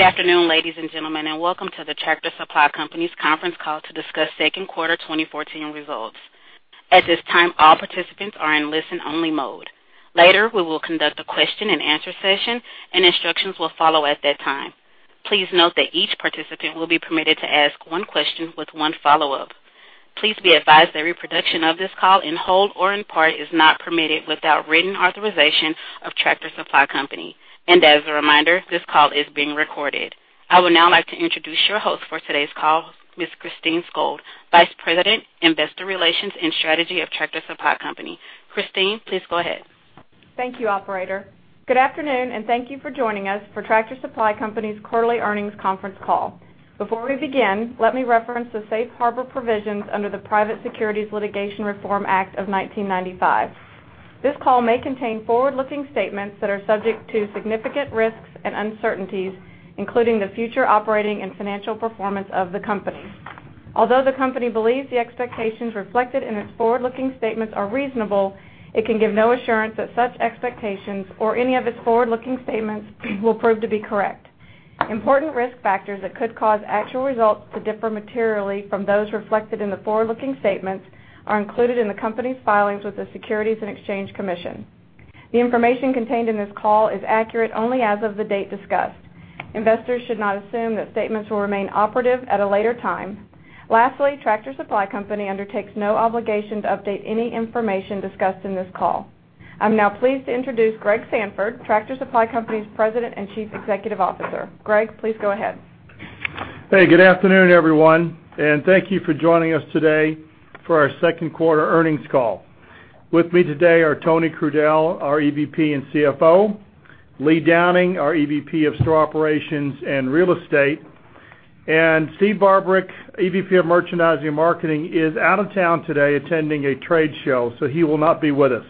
Good afternoon, ladies and gentlemen, welcome to the Tractor Supply Company's conference call to discuss second quarter 2014 results. At this time, all participants are in listen-only mode. Later, we will conduct a question and answer session, and instructions will follow at that time. Please note that each participant will be permitted to ask one question with one follow-up. Please be advised that reproduction of this call in whole or in part is not permitted without written authorization of Tractor Supply Company. As a reminder, this call is being recorded. I would now like to introduce your host for today's call, Ms. Christine Skold, Vice President, Investor Relations and Strategy of Tractor Supply Company. Christine, please go ahead. Thank you, operator. Good afternoon, Thank you for joining us for Tractor Supply Company's quarterly earnings conference call. Before we begin, let me reference the safe harbor provisions under the Private Securities Litigation Reform Act of 1995. This call may contain forward-looking statements that are subject to significant risks and uncertainties, including the future operating and financial performance of the company. Although the company believes the expectations reflected in its forward-looking statements are reasonable, it can give no assurance that such expectations or any of its forward-looking statements will prove to be correct. Important risk factors that could cause actual results to differ materially from those reflected in the forward-looking statements are included in the company's filings with the Securities and Exchange Commission. The information contained in this call is accurate only as of the date discussed. Investors should not assume that statements will remain operative at a later time. Lastly, Tractor Supply Company undertakes no obligation to update any information discussed in this call. I'm now pleased to introduce Greg Sandfort, Tractor Supply Company's President and Chief Executive Officer. Greg, please go ahead. Hey, good afternoon, everyone, Thank you for joining us today for our second quarter earnings call. With me today are Anthony Crudele, our EVP and CFO, Lee Downing, our EVP of Store Operations and Real Estate. Steve Barbarick, EVP of Merchandising and Marketing, is out of town today attending a trade show, he will not be with us.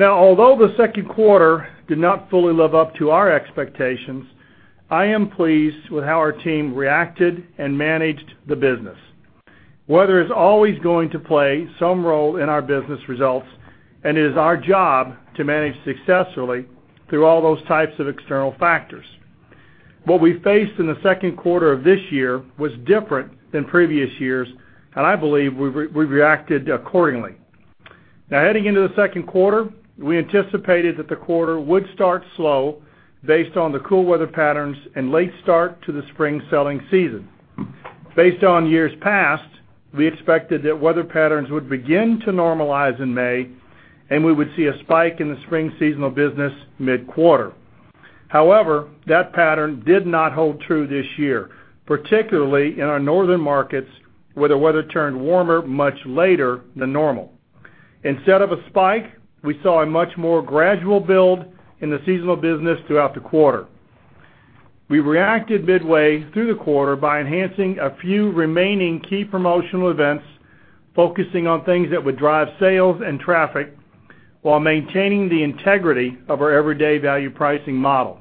Although the second quarter did not fully live up to our expectations, I am pleased with how our team reacted and managed the business. Weather is always going to play some role in our business results, it is our job to manage successfully through all those types of external factors. What we faced in the second quarter of this year was different than previous years, I believe we reacted accordingly. Heading into the 2nd quarter, we anticipated that the quarter would start slow based on the cool weather patterns and late start to the spring selling season. Based on years past, we expected that weather patterns would begin to normalize in May, and we would see a spike in the spring seasonal business mid-quarter. However, that pattern did not hold true this year, particularly in our northern markets, where the weather turned warmer much later than normal. Instead of a spike, we saw a much more gradual build in the seasonal business throughout the quarter. We reacted midway through the quarter by enhancing a few remaining key promotional events, focusing on things that would drive sales and traffic while maintaining the integrity of our everyday value pricing model.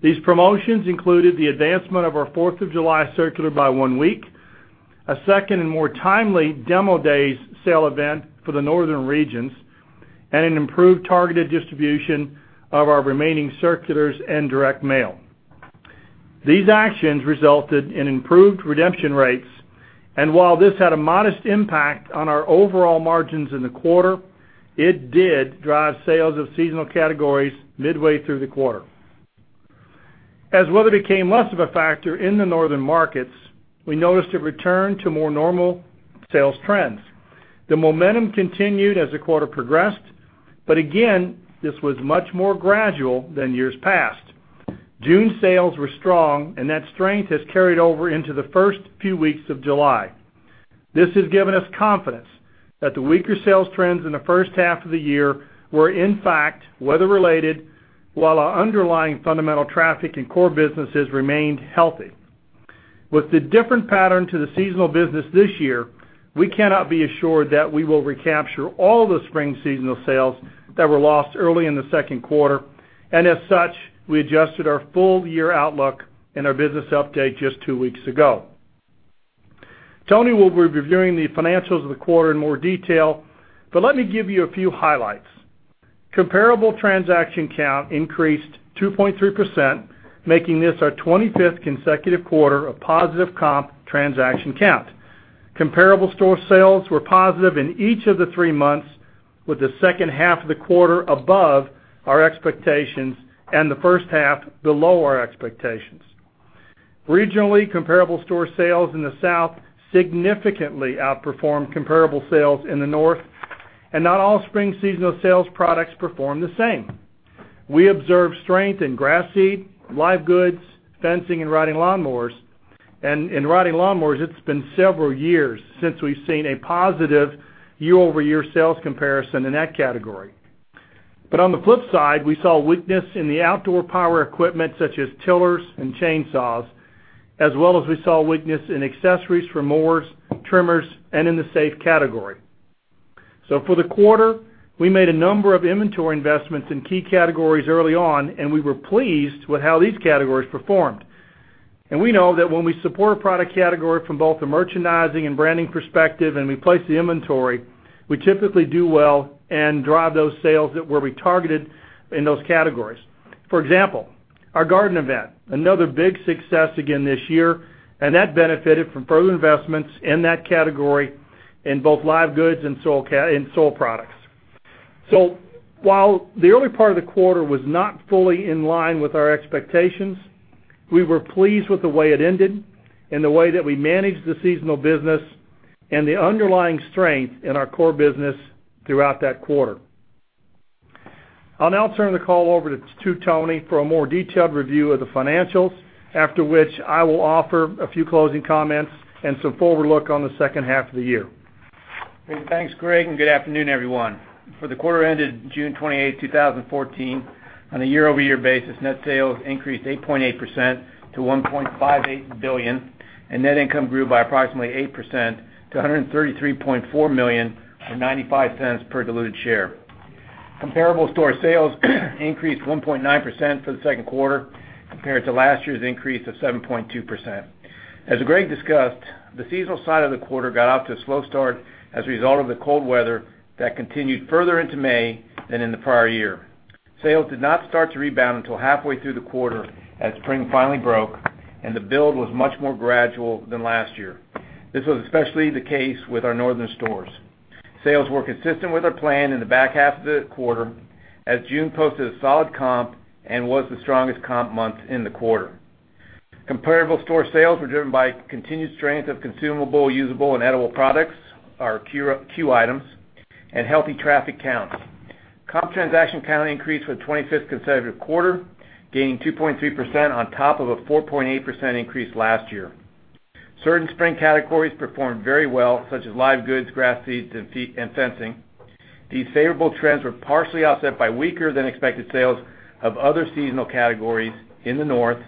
These promotions included the advancement of our Fourth of July circular by one week, a second and more timely Demo Days sale event for the northern regions, and an improved targeted distribution of our remaining circulars and direct mail. These actions resulted in improved redemption rates, and while this had a modest impact on our overall margins in the quarter, it did drive sales of seasonal categories midway through the quarter. Weather became less of a factor in the northern markets, we noticed a return to more normal sales trends. The momentum continued as the quarter progressed, again, this was much more gradual than years past. June sales were strong, and that strength has carried over into the first few weeks of July. This has given us confidence that the weaker sales trends in the first half of the year were in fact weather-related, while our underlying fundamental traffic and core businesses remained healthy. With the different pattern to the seasonal business this year, we cannot be assured that we will recapture all the spring seasonal sales that were lost early in the second quarter, and as such, we adjusted our full-year outlook in our business update just two weeks ago. Tony will be reviewing the financials of the quarter in more detail, but let me give you a few highlights. Comparable transaction count increased 2.3%, making this our 25th consecutive quarter of positive comp transaction count. Comparable store sales were positive in each of the three months, with the second half of the quarter above our expectations and the first half below our expectations. Regionally, comparable store sales in the South significantly outperformed comparable sales in the North, not all spring seasonal sales products performed the same. We observed strength in grass seed, live goods, fencing, and riding lawn mowers. In riding lawn mowers, it's been several years since we've seen a positive year-over-year sales comparison in that category. On the flip side, we saw weakness in the outdoor power equipment such as tillers and chainsaws, as well as we saw weakness in accessories for mowers, trimmers, and in the safe category. For the quarter, we made a number of inventory investments in key categories early on, and we were pleased with how these categories performed. We know that when we support a product category from both the merchandising and branding perspective, we place the inventory, we typically do well and drive those sales that where we targeted in those categories. For example, our garden event, another big success again this year, that benefited from further investments in that category in both live goods and soil products. While the early part of the quarter was not fully in line with our expectations, we were pleased with the way it ended and the way that we managed the seasonal business and the underlying strength in our core business throughout that quarter. I'll now turn the call over to Tony for a more detailed review of the financials, after which I will offer a few closing comments and some forward look on the second half of the year. Great. Thanks, Greg. Good afternoon, everyone. For the quarter ended June 28, 2014, on a year-over-year basis, net sales increased 8.8% to $1.58 billion. Net income grew by approximately 8% to $133.4 million, or $0.95 per diluted share. Comparable store sales increased 1.9% for the second quarter compared to last year's increase of 7.2%. As Greg discussed, the seasonal side of the quarter got off to a slow start as a result of the cold weather that continued further into May than in the prior year. Sales did not start to rebound until halfway through the quarter as spring finally broke. The build was much more gradual than last year. This was especially the case with our northern stores. Sales were consistent with our plan in the back half of the quarter. June posted a solid comp and was the strongest comp month in the quarter. Comparable store sales were driven by continued strength of consumable, usable, and edible products, our CUE items, healthy traffic counts. Comp transaction count increased for the 25th consecutive quarter, gaining 2.3% on top of a 4.8% increase last year. Certain spring categories performed very well, such as live goods, grass seeds, and fencing. These favorable trends were partially offset by weaker-than-expected sales of other seasonal categories in the north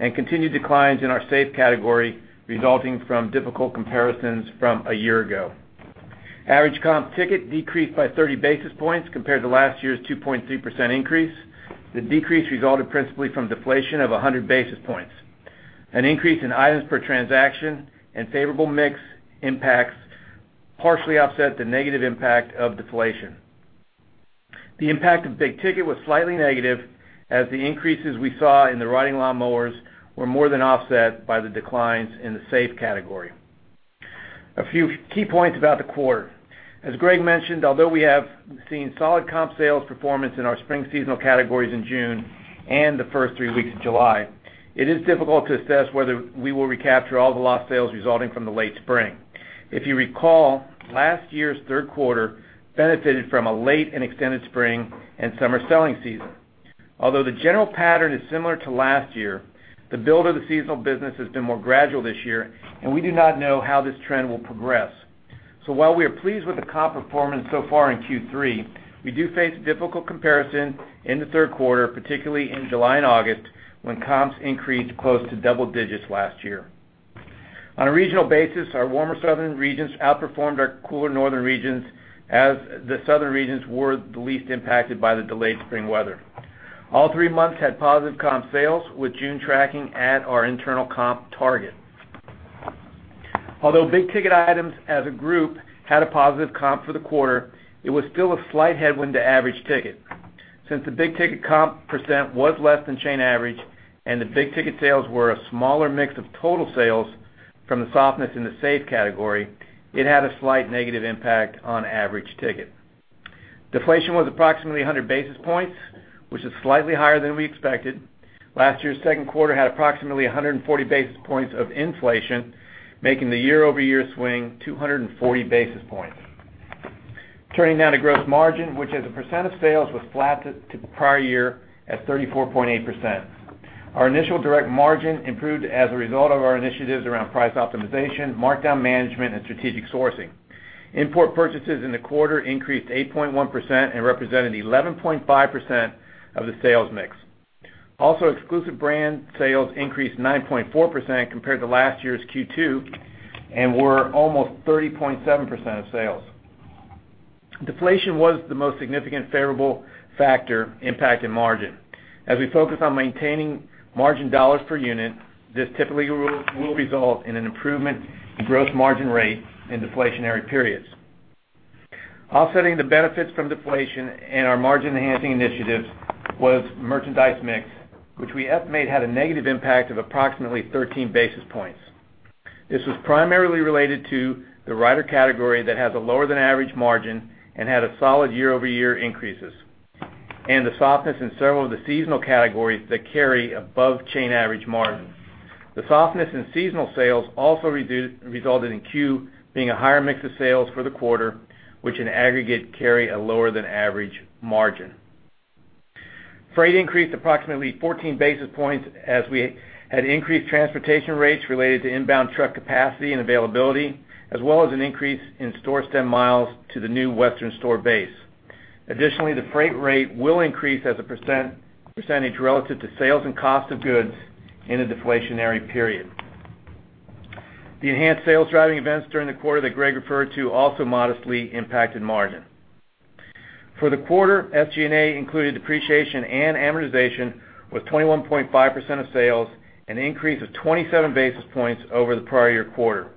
and continued declines in our safe category, resulting from difficult comparisons from a year ago. Average comp ticket decreased by 30 basis points compared to last year's 2.3% increase. The decrease resulted principally from deflation of 100 basis points. An increase in items per transaction and favorable mix impacts partially offset the negative impact of deflation. The impact of big ticket was slightly negative. The increases we saw in the riding lawnmowers were more than offset by the declines in the safe category. A few key points about the quarter. As Greg mentioned, although we have seen solid comp sales performance in our spring seasonal categories in June and the first three weeks of July, it is difficult to assess whether we will recapture all the lost sales resulting from the late spring. If you recall, last year's third quarter benefited from a late and extended spring and summer selling season. Although the general pattern is similar to last year, the build of the seasonal business has been more gradual this year. We do not know how this trend will progress. While we are pleased with the comp performance so far in Q3, we do face difficult comparison in the third quarter, particularly in July and August, when comps increased close to double digits last year. On a regional basis, our warmer southern regions outperformed our cooler northern regions, as the southern regions were the least impacted by the delayed spring weather. All three months had positive comp sales, with June tracking at our internal comp target. Although big-ticket items as a group had a positive comp for the quarter, it was still a slight headwind to average ticket. Since the big ticket comp percent was less than chain average and the big ticket sales were a smaller mix of total sales from the softness in the safe category, it had a slight negative impact on average ticket. Deflation was approximately 100 basis points, which is slightly higher than we expected. Last year's second quarter had approximately 140 basis points of inflation, making the year-over-year swing 240 basis points. Turning now to gross margin, which as a percent of sales was flat to the prior year at 34.8%. Our initial direct margin improved as a result of our initiatives around price optimization, markdown management, and strategic sourcing. Import purchases in the quarter increased 8.1% and represented 11.5% of the sales mix. Also, exclusive brands sales increased 9.4% compared to last year's Q2 and were almost 30.7% of sales. Deflation was the most significant favorable factor impacting margin. As we focus on maintaining margin dollars per unit, this typically will result in an improvement in gross margin rate in deflationary periods. Offsetting the benefits from deflation and our margin-enhancing initiatives was merchandise mix, which we estimate had a negative impact of approximately 13 basis points. This was primarily related to the rider category that has a lower-than-average margin and had solid year-over-year increases, and the softness in several of the seasonal categories that carry above-chain-average margin. The softness in seasonal sales also resulted in C.U.E. being a higher mix of sales for the quarter, which in aggregate carry a lower-than-average margin. Freight increased approximately 14 basis points as we had increased transportation rates related to inbound truck capacity and availability, as well as an increase in store stem miles to the new western store base. Additionally, the freight rate will increase as a percentage relative to sales and cost of goods in a deflationary period. The enhanced sales-driving events during the quarter that Greg Sandfort referred to also modestly impacted margin. For the quarter, SG&A included depreciation and amortization was 21.5% of sales, an increase of 27 basis points over the prior year quarter.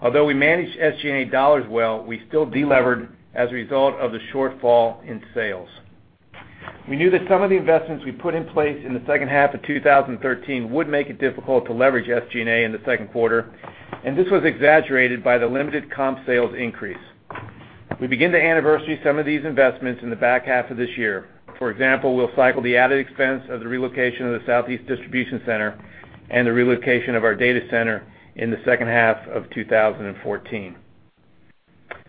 Although we managed SG&A dollars well, we still delevered as a result of the shortfall in sales. We knew that some of the investments we put in place in the second half of 2013 would make it difficult to leverage SG&A in the second quarter, and this was exaggerated by the limited comp sales increase. We begin to anniversary some of these investments in the back half of this year. For example, we'll cycle the added expense of the relocation of the southeast distribution center and the relocation of our data center in the second half of 2014.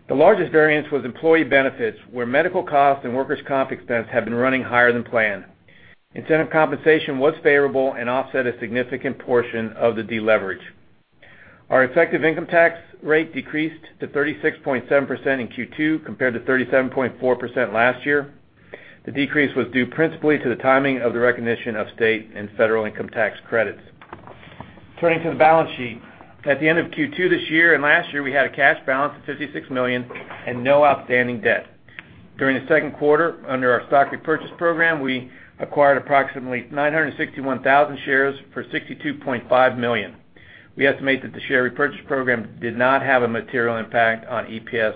The largest variance was employee benefits, where medical costs and workers' comp expense have been running higher than planned. Incentive compensation was favorable. Offset a significant portion of the deleverage. Our effective income tax rate decreased to 36.7% in Q2 compared to 37.4% last year. The decrease was due principally to the timing of the recognition of state and federal income tax credits. Turning to the balance sheet. At the end of Q2 this year and last year, we had a cash balance of $56 million and no outstanding debt. During the second quarter, under our stock repurchase program, we acquired approximately 961,000 shares for $62.5 million. We estimate that the share repurchase program did not have a material impact on EPS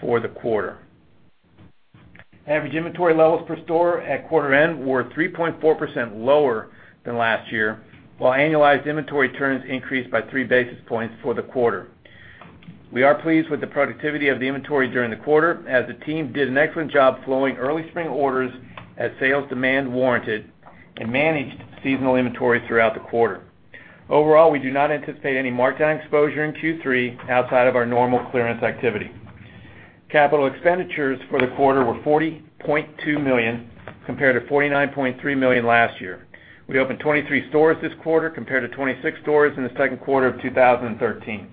for the quarter. Average inventory levels per store at quarter end were 3.4% lower than last year, while annualized inventory turns increased by three basis points for the quarter. We are pleased with the productivity of the inventory during the quarter, as the team did an excellent job flowing early spring orders as sales demand warranted and managed seasonal inventory throughout the quarter. We do not anticipate any markdown exposure in Q3 outside of our normal clearance activity. Capital expenditures for the quarter were $40.2 million, compared to $49.3 million last year. We opened 23 stores this quarter, compared to 26 stores in the second quarter of 2013.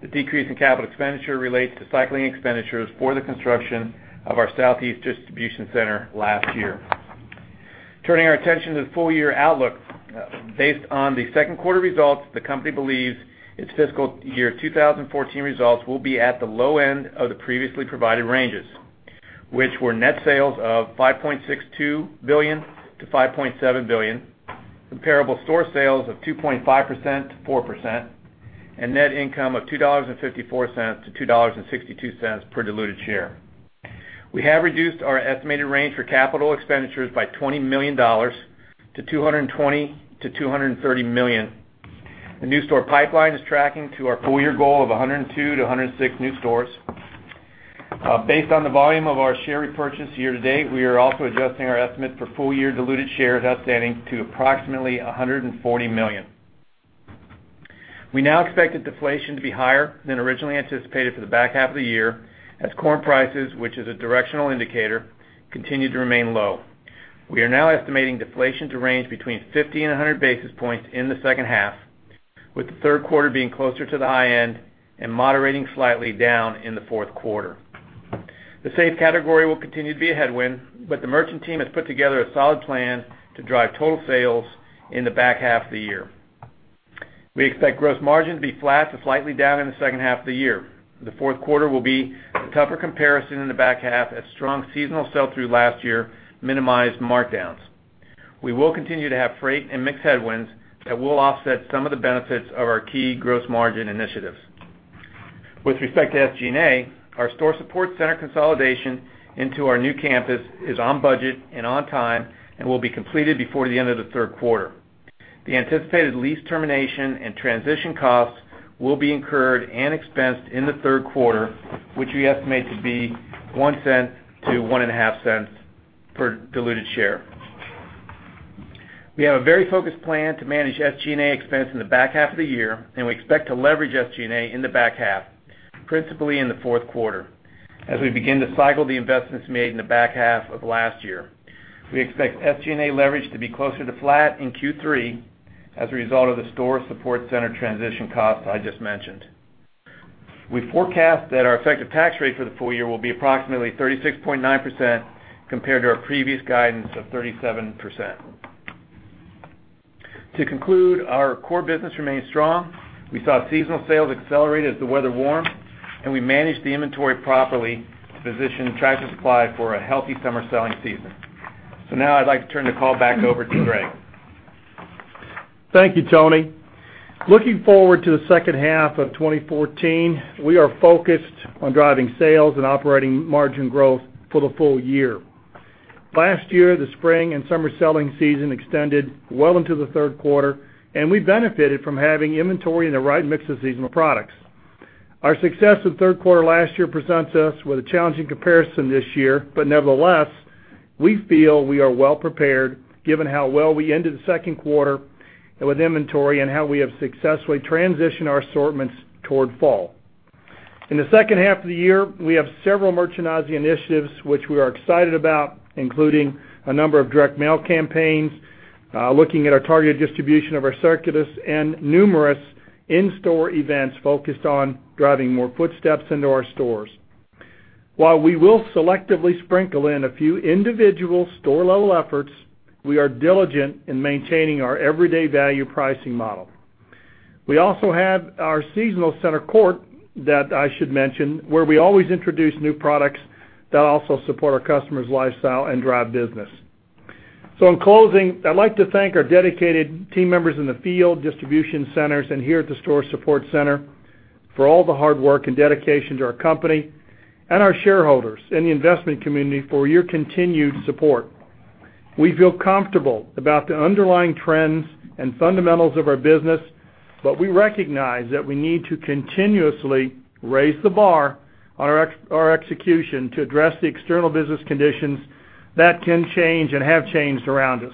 The decrease in capital expenditure relates to cycling expenditures for the construction of our southeast distribution center last year. Turning our attention to the full-year outlook. Based on the second quarter results, the company believes its fiscal year 2014 results will be at the low end of the previously provided ranges, which were net sales of $5.62 billion-$5.7 billion, comparable store sales of 2.5%-4%, and net income of $2.54-$2.62 per diluted share. We have reduced our estimated range for capital expenditures by $20 million to $220 million-$230 million. The new store pipeline is tracking to our full-year goal of 102-106 new stores. Based on the volume of our share repurchase year to date, we are also adjusting our estimate for full-year diluted shares outstanding to approximately 140 million. We now expect the deflation to be higher than originally anticipated for the back half of the year, as corn prices, which is a directional indicator, continue to remain low. We are now estimating deflation to range between 50 and 100 basis points in the second half, with the third quarter being closer to the high end and moderating slightly down in the fourth quarter. The safe category will continue to be a headwind, but the merchant team has put together a solid plan to drive total sales in the back half of the year. We expect gross margin to be flat to slightly down in the second half of the year. The fourth quarter will be the tougher comparison in the back half as strong seasonal sell-through last year minimized markdowns. We will continue to have freight and mix headwinds that will offset some of the benefits of our key gross margin initiatives. With respect to SG&A, our Store Support Center consolidation into our new campus is on budget and on time and will be completed before the end of the third quarter. The anticipated lease termination and transition costs will be incurred and expensed in the third quarter, which we estimate to be $0.01 to $0.015 per diluted share. We have a very focused plan to manage SG&A expense in the back half of the year, and we expect to leverage SG&A in the back half, principally in the fourth quarter, as we begin to cycle the investments made in the back half of last year. We expect SG&A leverage to be closer to flat in Q3 as a result of the Store Support Center transition cost I just mentioned. We forecast that our effective tax rate for the full year will be approximately 36.9% compared to our previous guidance of 37%. To conclude, our core business remains strong. We saw seasonal sales accelerate as the weather warmed, and we managed the inventory properly to position Tractor Supply for a healthy summer selling season. Now I'd like to turn the call back over to Greg. Thank you, Tony. Looking forward to the second half of 2014, we are focused on driving sales and operating margin growth for the full year. Last year, the spring and summer selling season extended well into the third quarter, and we benefited from having inventory in the right mix of seasonal products. Our success in the third quarter last year presents us with a challenging comparison this year. Nevertheless, we feel we are well prepared given how well we ended the second quarter with inventory and how we have successfully transitioned our assortments toward fall. In the second half of the year, we have several merchandising initiatives which we are excited about, including a number of direct mail campaigns, looking at our targeted distribution of our circulars, and numerous in-store events focused on driving more footsteps into our stores. While we will selectively sprinkle in a few individual store-level efforts, we are diligent in maintaining our everyday value pricing model. We also have our seasonal center court, that I should mention, where we always introduce new products that also support our customer's lifestyle and drive business. In closing, I'd like to thank our dedicated team members in the field distribution centers and here at the Store Support Center for all the hard work and dedication to our company, and our shareholders in the investment community for your continued support. We feel comfortable about the underlying trends and fundamentals of our business, but we recognize that we need to continuously raise the bar on our execution to address the external business conditions that can change and have changed around us.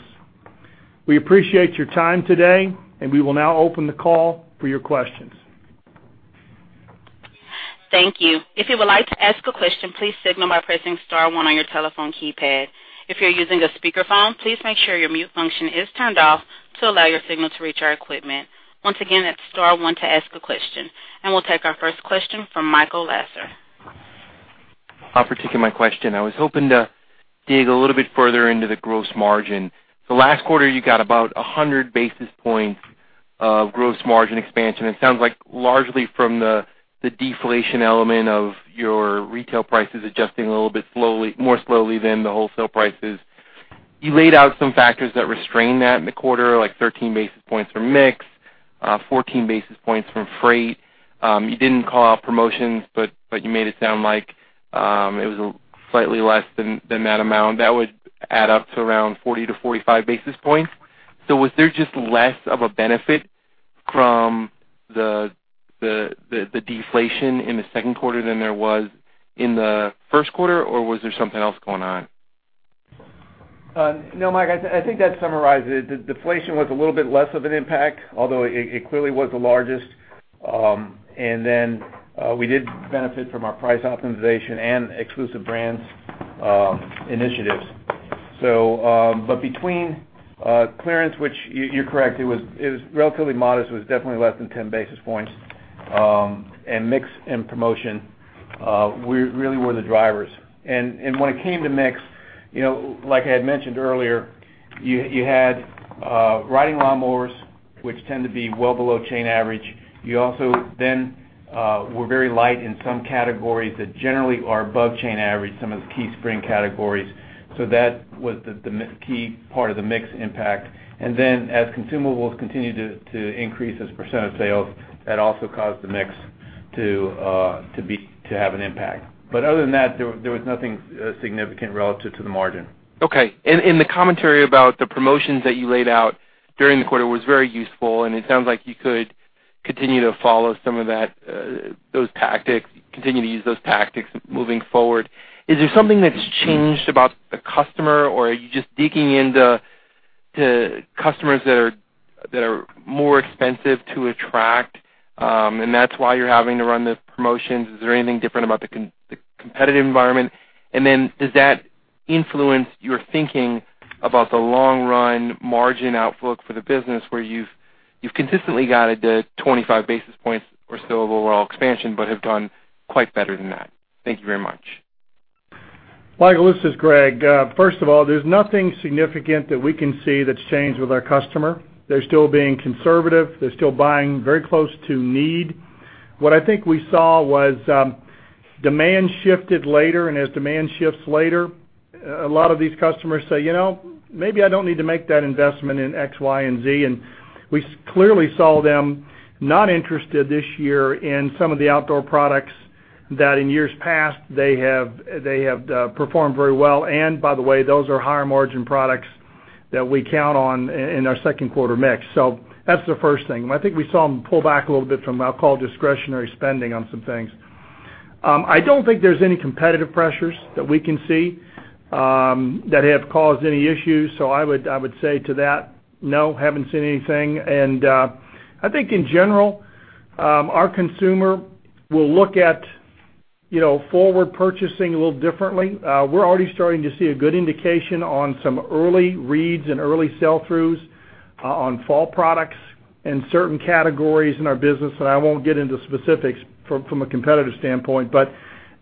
We appreciate your time today. We will now open the call for your questions. Thank you. If you would like to ask a question, please signal by pressing star one on your telephone keypad. If you're using a speakerphone, please make sure your mute function is turned off to allow your signal to reach our equipment. Once again, that's star one to ask a question. We'll take our first question from Michael Lasser. I'll partake in my question. I was hoping to dig a little bit further into the gross margin. Last quarter, you got about 100 basis points of gross margin expansion, it sounds like largely from the deflation element of your retail prices adjusting a little bit more slowly than the wholesale prices. You laid out some factors that restrained that in the quarter, like 13 basis points from mix, 14 basis points from freight. You didn't call out promotions, but you made it sound like it was slightly less than that amount. That would add up to around 40 to 45 basis points. Was there just less of a benefit from the deflation in the second quarter than there was in the first quarter, or was there something else going on? No, Michael, I think that summarizes it. The deflation was a little bit less of an impact, although it clearly was the largest. We did benefit from our price optimization and exclusive brands initiatives. Between clearance, which you're correct, it was relatively modest. It was definitely less than 10 basis points, and mix and promotion really were the drivers. When it came to mix, like I had mentioned earlier, you had riding lawn mowers, which tend to be well below chain average. You also were very light in some categories that generally are above chain average, some of the key spring categories. That was the key part of the mix impact. As consumables continued to increase as a percent of sales, that also caused the mix to have an impact. Other than that, there was nothing significant relative to the margin. Okay. The commentary about the promotions that you laid out during the quarter was very useful, and it sounds like you could continue to use those tactics moving forward. Is there something that's changed about the customer, or are you just digging into customers that are more expensive to attract, and that's why you're having to run the promotions? Is there anything different about the competitive environment? Does that influence your thinking about the long-run margin outlook for the business where you've consistently guided the 25 basis points or so of overall expansion but have done quite better than that? Thank you very much. Michael, this is Greg. There's nothing significant that we can see that's changed with our customer. They're still being conservative. They're still buying very close to need. What I think we saw was demand shifted later, as demand shifts later, a lot of these customers say, "Maybe I don't need to make that investment in X, Y, and Z." We clearly saw them not interested this year in some of the outdoor products that in years past they have performed very well. By the way, those are higher-margin products that we count on in our second quarter mix. That's the first thing. I think we saw them pull back a little bit from, I'll call, discretionary spending on some things. I don't think there's any competitive pressures that we can see that have caused any issues. I would say to that, no, haven't seen anything. I think in general, our consumer will look at forward purchasing a little differently. We're already starting to see a good indication on some early reads and early sell-throughs on fall products in certain categories in our business. I won't get into specifics from a competitive standpoint, but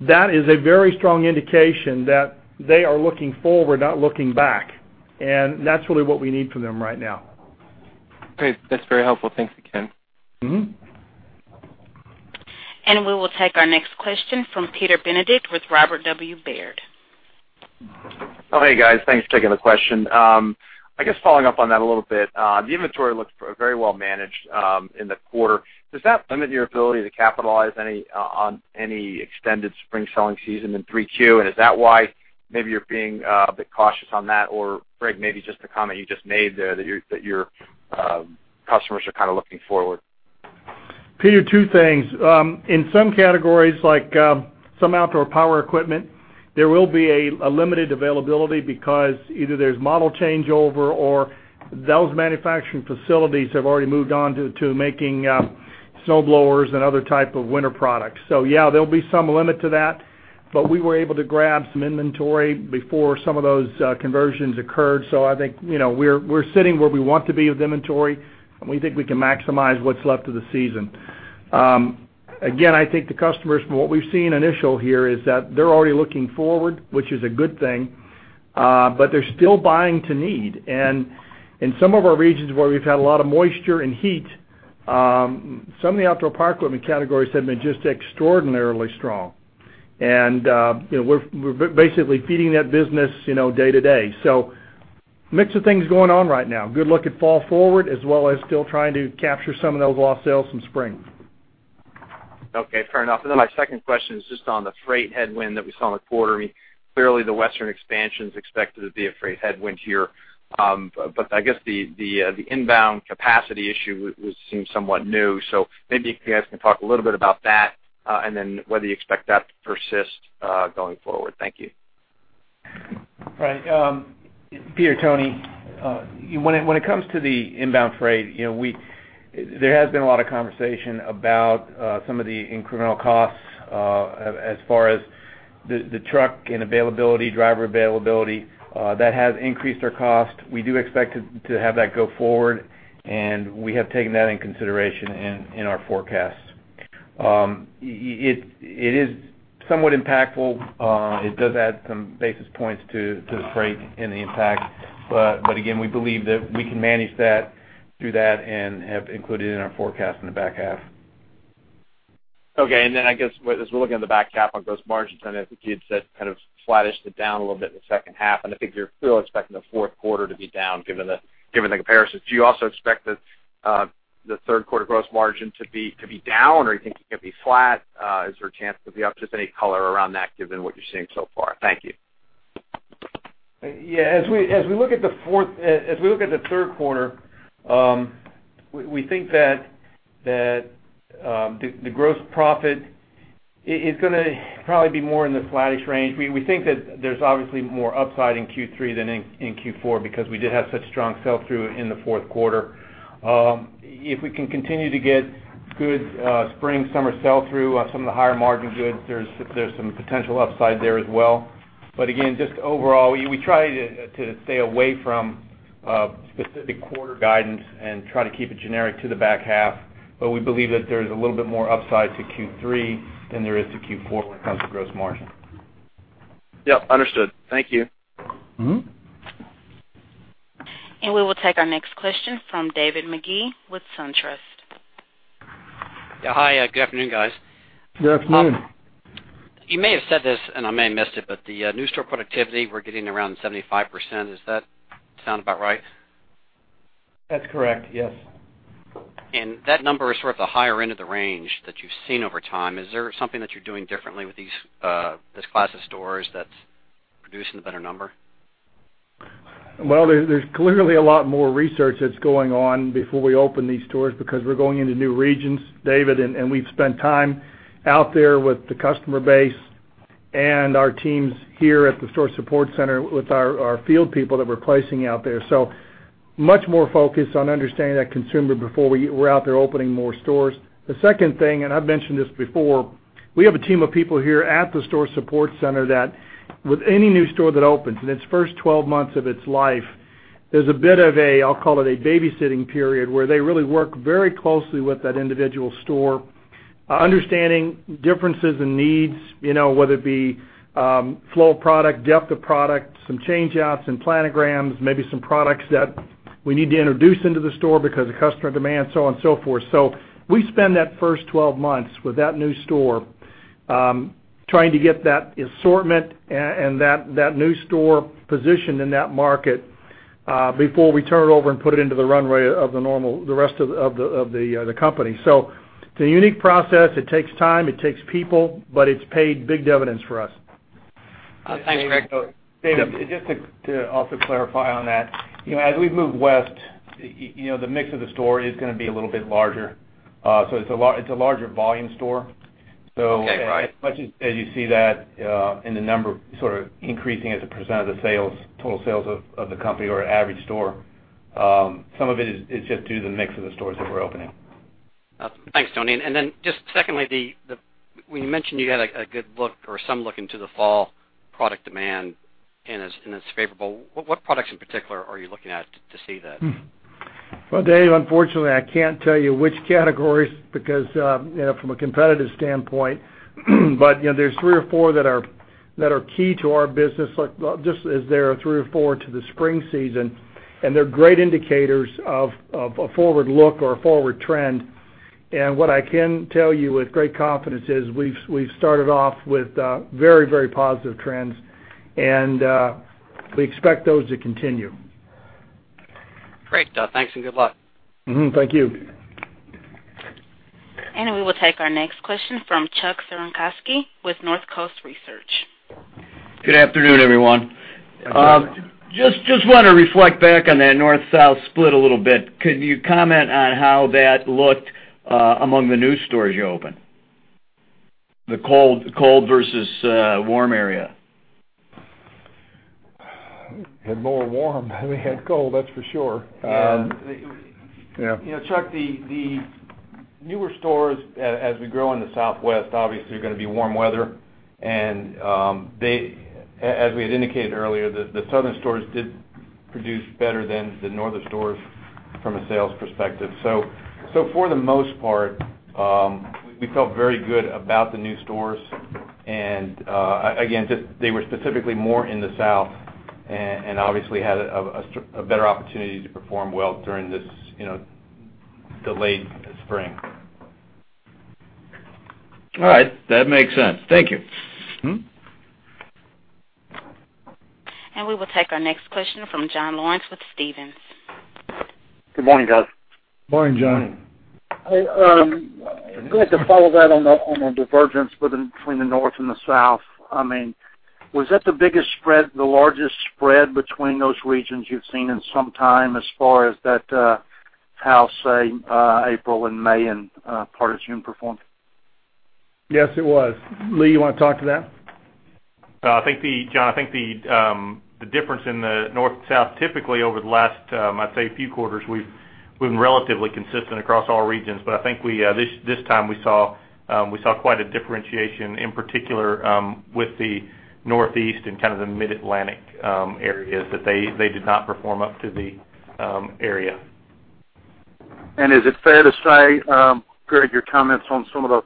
that is a very strong indication that they are looking forward, not looking back. That's really what we need from them right now. Great. That's very helpful. Thanks again. We will take our next question from Peter Benedict with Robert W. Baird. Hey, guys. Thanks for taking the question. I guess following up on that a little bit, the inventory looked very well managed in the quarter. Does that limit your ability to capitalize on any extended spring selling season in 3Q, and is that why maybe you're being a bit cautious on that? Greg, maybe just the comment you just made there that your customers are kind of looking forward. Peter, two things. In some categories, like some outdoor power equipment, there will be a limited availability because either there's model changeover or those manufacturing facilities have already moved on to making snowblowers and other type of winter products. Yeah, there'll be some limit to that, but we were able to grab some inventory before some of those conversions occurred. I think we're sitting where we want to be with inventory, and we think we can maximize what's left of the season. Again, I think the customers, from what we've seen initial here, is that they're already looking forward, which is a good thing. They're still buying to need. In some of our regions where we've had a lot of moisture and heat, some of the outdoor power equipment have been just extraordinarily strong. We're basically feeding that business day to day. Mix of things going on right now. Good look at fall forward, as well as still trying to capture some of those lost sales from spring. Okay, fair enough. My second question is just on the freight headwind that we saw in the quarter. Clearly, the Western expansion's expected to be a freight headwind here. I guess the inbound capacity issue seems somewhat new. Maybe if you guys can talk a little bit about that, and then whether you expect that to persist going forward. Thank you. Right. Peter, Tony, when it comes to the inbound freight, there has been a lot of conversation about some of the incremental costs as far as the truck and driver availability. That has increased our cost. We do expect to have that go forward, and we have taken that into consideration in our forecast. It is somewhat impactful. It does add some basis points to the freight and the impact. Again, we believe that we can manage that through that and have included it in our forecast in the back half. Okay. I guess, as we're looking at the back half on gross margins, I know that you had said kind of flattish to down a little bit in the second half, and I think you're still expecting the fourth quarter to be down given the comparisons. Do you also expect the third quarter gross margin to be down, or are you thinking it'll be flat? Is there a chance it could be up? Just any color around that given what you're seeing so far. Thank you. Yeah, as we look at the third quarter, we think that the gross profit is going to probably be more in the flattish range. We think that there's obviously more upside in Q3 than in Q4 because we did have such strong sell-through in the fourth quarter. If we can continue to get good spring, summer sell-through on some of the higher margin goods, there's some potential upside there as well. Again, just overall, we try to stay away from specific quarter guidance and try to keep it generic to the back half. We believe that there's a little bit more upside to Q3 than there is to Q4 when it comes to gross margin. Yep, understood. Thank you. We will take our next question from David Magee with SunTrust. Yeah. Hi, good afternoon, guys. Good afternoon. You may have said this, and I may have missed it, but the new store productivity, we're getting around 75%. Does that sound about right? That's correct, yes. That number is sort of the higher end of the range that you've seen over time. Is there something that you're doing differently with this class of stores that's producing the better number? There's clearly a lot more research that's going on before we open these stores because we're going into new regions, David, and we've spent time out there with the customer base and our teams here at the Store Support Center with our field people that we're placing out there. Much more focused on understanding that consumer before we're out there opening more stores. The second thing, and I've mentioned this before, we have a team of people here at the Store Support Center that with any new store that opens, in its first 12 months of its life, there's a bit of a, I'll call it, a babysitting period, where they really work very closely with that individual store, understanding differences in needs, whether it be flow of product, depth of product, some change-outs and planograms, maybe some products that we need to introduce into the store because of customer demand, so on and so forth. We spend that first 12 months with that new store trying to get that assortment and that new store positioned in that market before we turn it over and put it into the runway of the rest of the company. It's a unique process. It takes time, it takes people, but it's paid big dividends for us. Thanks, Greg. David, just to also clarify on that. As we move west, the mix of the store is going to be a little bit larger. It's a larger volume store. Okay. Right. As much as you see that in the number sort of increasing as a % of the total sales of the company or an average store, some of it is just due to the mix of the stores that we're opening. Thanks, Tony. Just secondly, when you mentioned you had a good look or some look into the fall product demand and it's favorable, what products in particular are you looking at to see that? Well, Dave, unfortunately, I can't tell you which categories because from a competitive standpoint, but there's three or four that are key to our business, just as there are three or four to the spring season, and they're great indicators of a forward look or a forward trend. What I can tell you with great confidence is we've started off with very positive trends, and we expect those to continue. Great. Thanks and good luck. Mm-hmm. Thank you. We will take our next question from Chuck Cerankosky with Northcoast Research. Good afternoon, everyone. Good afternoon. Just want to reflect back on that north-south split a little bit. Could you comment on how that looked among the new stores you opened? The cold versus warm area. We had more warm than we had cold, that's for sure. Yeah. Chuck, the newer stores as we grow in the Southwest obviously are going to be warm weather. As we had indicated earlier, the southern stores did Produce better than the northern stores from a sales perspective. For the most part, we felt very good about the new stores. Again, they were specifically more in the South, and obviously had a better opportunity to perform well during this delayed spring. All right. That makes sense. Thank you. We will take our next question from John Lawrence with Stephens. Good morning, guys. Morning, John. Hey, I'm going to follow that on the divergence between the North and the South. Was that the biggest spread, the largest spread between those regions you've seen in some time as far as how, say, April and May and part of June performed? Yes, it was. Lee, you want to talk to that? John, I think the difference in the North and South typically over the last, I'd say, few quarters, we've been relatively consistent across all regions. I think this time we saw quite a differentiation, in particular, with the Northeast and the Mid-Atlantic areas, that they did not perform up to the area. Is it fair to say, Greg, your comments on some of the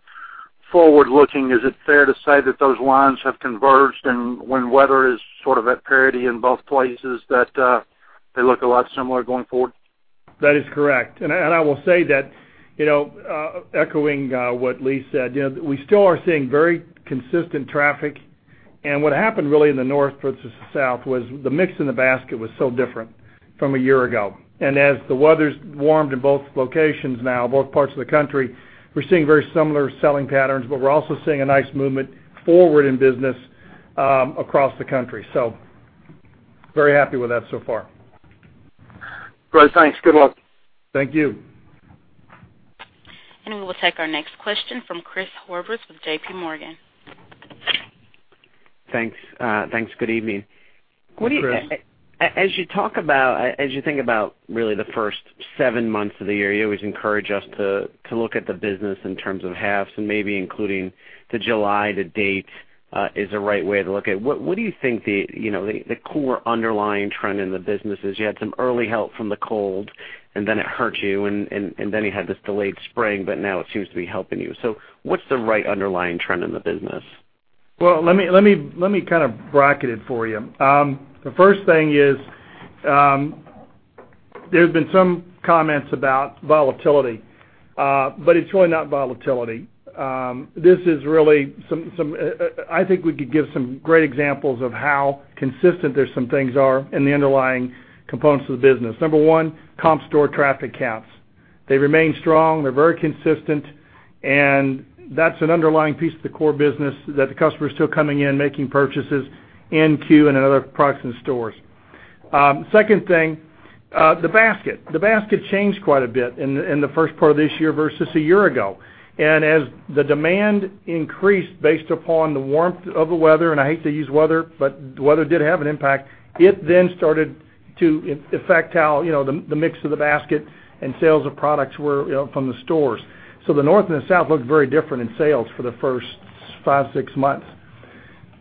forward-looking, is it fair to say that those lines have converged, and when weather is sort of at parity in both places that they look a lot similar going forward? That is correct. I will say that, echoing what Lee said, we still are seeing very consistent traffic. What happened really in the North versus South was the mix in the basket was so different from a year ago. As the weather's warmed in both locations now, both parts of the country, we're seeing very similar selling patterns, but we're also seeing a nice movement forward in business across the country. Very happy with that so far. Great. Thanks. Good luck. Thank you. We will take our next question from Christopher Horvers with J.P. Morgan. Thanks. Good evening. Hi, Chris. As you think about really the first seven months of the year, you always encourage us to look at the business in terms of halves and maybe including to July to date is the right way to look at it. What do you think the core underlying trend in the business is? You had some early help from the cold, and then it hurt you, and then you had this delayed spring, but now it seems to be helping you. What's the right underlying trend in the business? Well, let me kind of bracket it for you. The first thing is there's been some comments about volatility, but it's really not volatility. I think we could give some great examples of how consistent some things are in the underlying components of the business. Number 1, comp store traffic counts. They remain strong, they're very consistent, and that's an underlying piece of the core business that the customer is still coming in, making purchases, CUE and other products in stores. Second thing, the basket. The basket changed quite a bit in the first part of this year versus a year ago. As the demand increased based upon the warmth of the weather, and I hate to use weather, but the weather did have an impact. It then started to affect how the mix of the basket and sales of products were from the stores. The North and the South looked very different in sales for the first five, six months.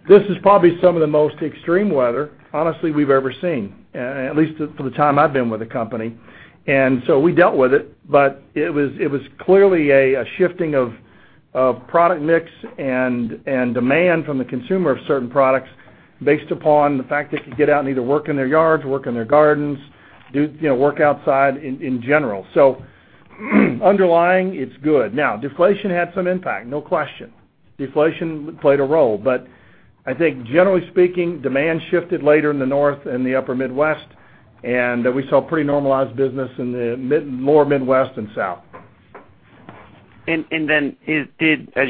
This is probably some of the most extreme weather, honestly, we've ever seen, at least for the time I've been with the company. We dealt with it, but it was clearly a shifting of product mix and demand from the consumer of certain products based upon the fact they could get out and either work in their yards, work in their gardens, work outside in general. Underlying, it's good. Deflation had some impact, no question. Deflation played a role, but I think generally speaking, demand shifted later in the North and the upper Midwest, and we saw pretty normalized business in the more Midwest and South. As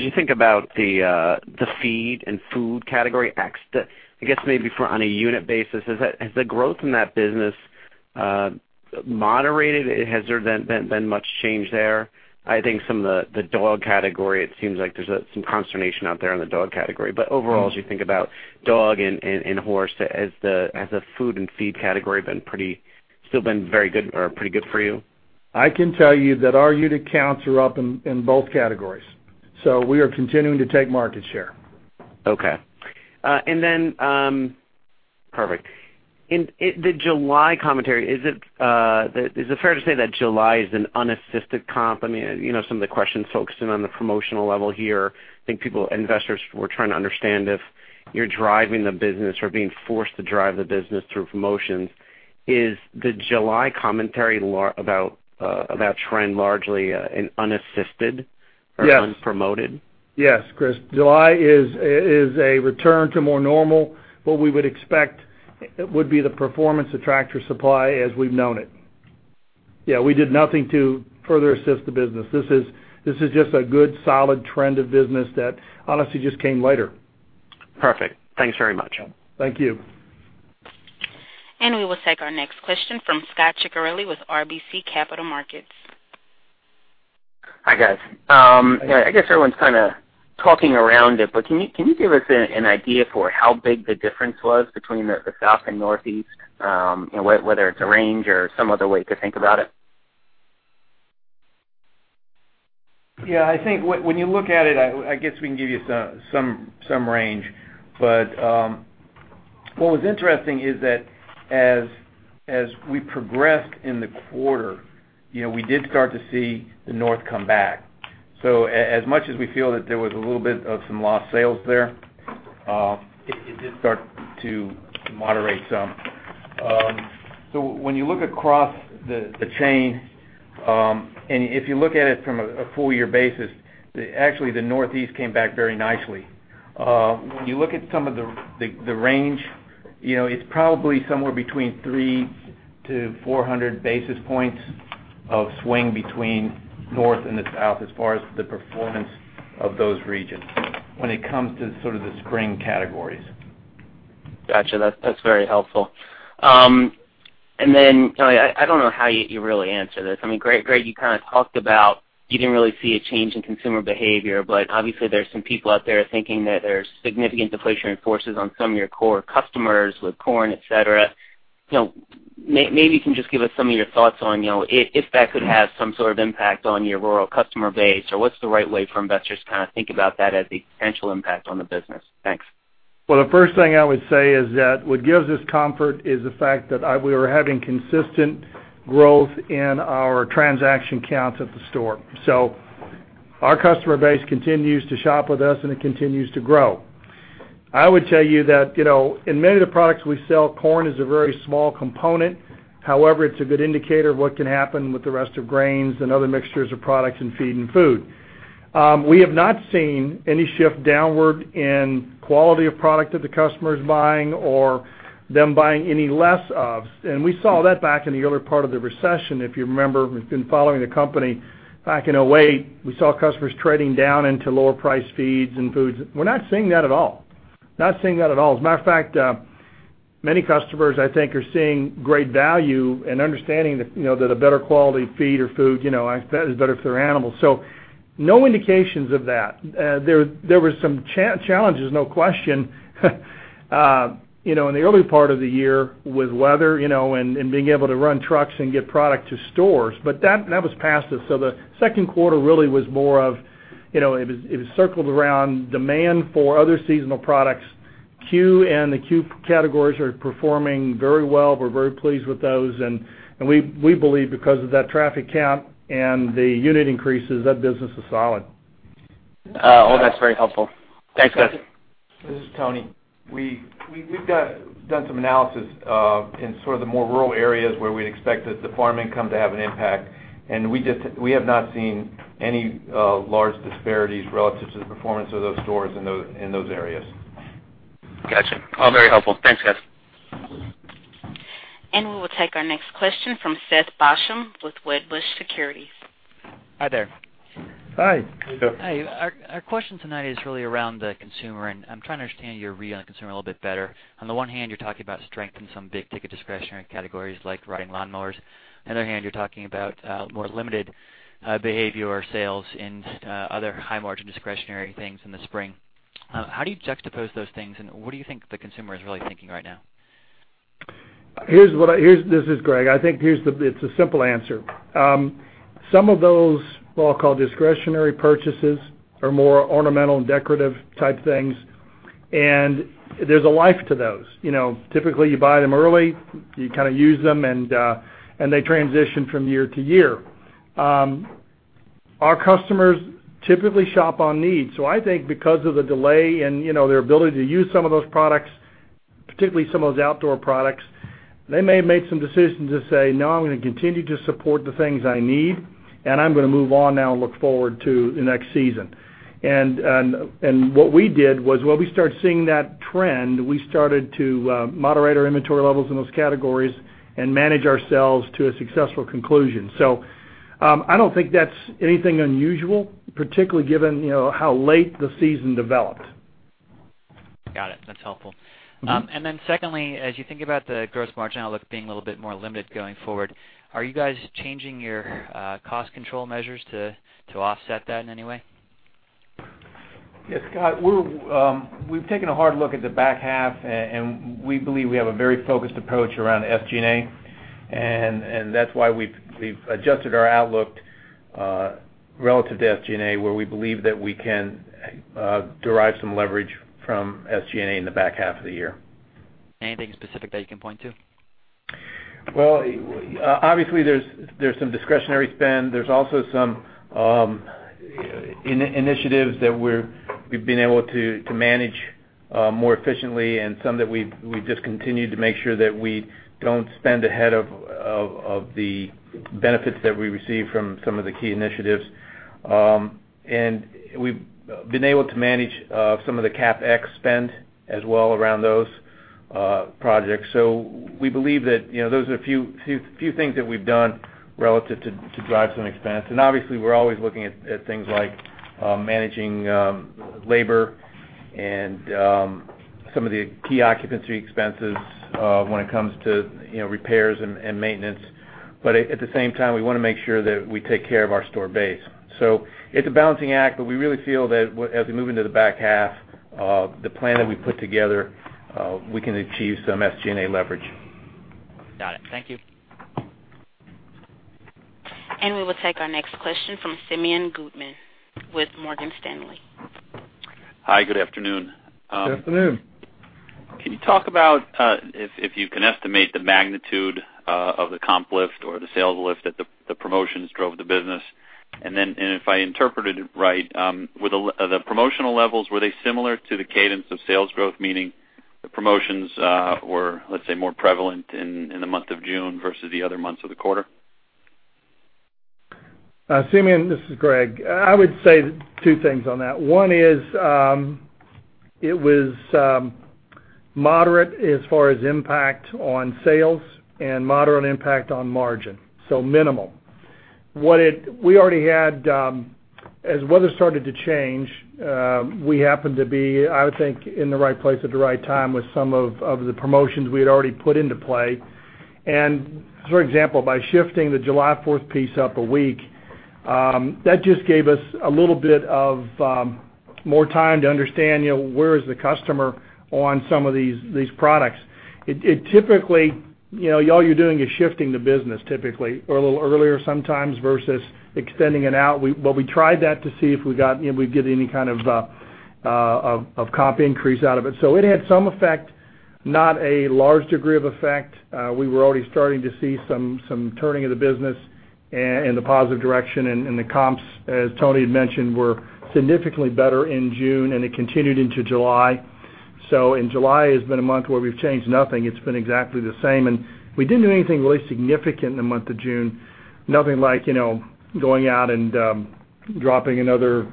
you think about the feed and food category, I guess maybe on a unit basis, has the growth in that business moderated? Has there been much change there? I think some of the dog category, it seems like there's some consternation out there on the dog category. Overall, as you think about dog and horse, has the food and feed category still been pretty good for you? I can tell you that our unit counts are up in both categories. We are continuing to take market share. Okay. Perfect. In the July commentary, is it fair to say that July is an unassisted comp? Some of the questions focused in on the promotional level here. I think investors were trying to understand if you're driving the business or being forced to drive the business through promotions. Is the July commentary about trend largely unassisted? Yes or unpromoted? Yes, Chris. July is a return to more normal, what we would expect would be the performance of Tractor Supply as we've known it. Yeah, we did nothing to further assist the business. This is just a good solid trend of business that honestly just came later. Perfect. Thanks very much. Thank you. We will take our next question from Scot Ciccarelli with RBC Capital Markets. Hi, guys. I guess everyone's kind of talking around it, but can you give us an idea for how big the difference was between the South and Northeast, whether it's a range or some other way to think about it? I think when you look at it, I guess we can give you some range. What was interesting is that as we progressed in the quarter, we did start to see the North come back. As much as we feel that there was a little bit of some lost sales there, it did start to moderate some. When you look across the chain, and if you look at it from a full-year basis, actually the Northeast came back very nicely. When you look at some of the range, it's probably somewhere between 300-400 basis points of swing between North and the South as far as the performance of those regions when it comes to the spring categories. Got you. That's very helpful. Then, Tony, I don't know how you really answer this. Greg, you kind of talked about you didn't really see a change in consumer behavior, but obviously there's some people out there thinking that there's significant deflationary forces on some of your core customers with corn, et cetera. Maybe you can just give us some of your thoughts on if that could have some sort of impact on your rural customer base, or what's the right way for investors to think about that as a potential impact on the business? Thanks. Well, the first thing I would say is that what gives us comfort is the fact that we were having consistent growth in our transaction counts at the store. Our customer base continues to shop with us and it continues to grow. I would tell you that in many of the products we sell, corn is a very small component. It's a good indicator of what can happen with the rest of grains and other mixtures of products in feed and food. We have not seen any shift downward in quality of product that the customer is buying or them buying any less of. We saw that back in the earlier part of the recession, if you remember, if you've been following the company back in 2008, we saw customers trading down into lower-priced feeds and foods. We're not seeing that at all. As a matter of fact, many customers, I think, are seeing great value and understanding that a better quality feed or food is better for their animals. No indications of that. There were some challenges, no question, in the early part of the year with weather and being able to run trucks and get product to stores, but that was past us. The second quarter really circled around demand for other seasonal products. C.U.E. and the C.U.E. categories are performing very well. We're very pleased with those, and we believe because of that traffic count and the unit increases, that business is solid. All that's very helpful. Thanks, guys. This is Tony Crudele. We've done some analysis in the more rural areas where we'd expect the farm income to have an impact, and we have not seen any large disparities relative to the performance of those stores in those areas. Got you. All very helpful. Thanks, guys. We will take our next question from Seth Basham with Wedbush Securities. Hi there. Hi. Hi. Our question tonight is really around the consumer, and I'm trying to understand your read on the consumer a little bit better. On the one hand, you're talking about strength in some big-ticket discretionary categories like riding lawnmowers. On the other hand, you're talking about more limited behavior or sales in other high-margin discretionary things in the spring. How do you juxtapose those things, and what do you think the consumer is really thinking right now? This is Greg. I think it's a simple answer. Some of those, we'll call discretionary purchases, are more ornamental and decorative-type things, and there's a life to those. Typically, you buy them early, you kind of use them, and they transition from year to year. Our customers typically shop on need. I think because of the delay in their ability to use some of those products, particularly some of those outdoor products, they may have made some decisions to say, "No, I'm going to continue to support the things I need, and I'm going to move on now and look forward to the next season." What we did was when we started seeing that trend, we started to moderate our inventory levels in those categories and manage ourselves to a successful conclusion. I don't think that's anything unusual, particularly given how late the season developed. Got it. That's helpful. Then secondly, as you think about the gross margin outlook being a little bit more limited going forward, are you guys changing your cost control measures to offset that in any way? Yes, Seth. We've taken a hard look at the back half, and we believe we have a very focused approach around SG&A, and that's why we've adjusted our outlook relative to SG&A, where we believe that we can derive some leverage from SG&A in the back half of the year. Anything specific that you can point to? Obviously, there's some discretionary spend. There's also some initiatives that we've been able to manage more efficiently and some that we've just continued to make sure that we don't spend ahead of the benefits that we receive from some of the key initiatives. We've been able to manage some of the CapEx spend as well around those projects. We believe that those are a few things that we've done relative to drive some expense. Obviously, we're always looking at things like managing labor and some of the key occupancy expenses when it comes to repairs and maintenance. At the same time, we want to make sure that we take care of our store base. It's a balancing act, but we really feel that as we move into the back half, the plan that we put together, we can achieve some SG&A leverage. Got it. Thank you. We will take our next question from Simeon Gutman with Morgan Stanley. Hi, good afternoon. Good afternoon. Can you talk about, if you can estimate the magnitude of the comp lift or the sales lift that the promotions drove the business, if I interpreted it right, the promotional levels, were they similar to the cadence of sales growth, meaning the promotions were, let's say, more prevalent in the month of June versus the other months of the quarter? Simeon, this is Greg. I would say two things on that. One is, it was moderate as far as impact on sales and moderate impact on margin. Minimal. As weather started to change, we happened to be, I would think, in the right place at the right time with some of the promotions we had already put into play. For example, by shifting the July 4th piece up a week, that just gave us a little bit of more time to understand where is the customer on some of these products. Typically, all you're doing is shifting the business, typically or a little earlier sometimes versus extending it out. We tried that to see if we'd get any kind of comp increase out of it. It had some effect, not a large degree of effect. We were already starting to see some turning of the business in the positive direction. The comps, as Tony had mentioned, were significantly better in June, and it continued into July. In July has been a month where we've changed nothing. It's been exactly the same. We didn't do anything really significant in the month of June. Nothing like going out and dropping another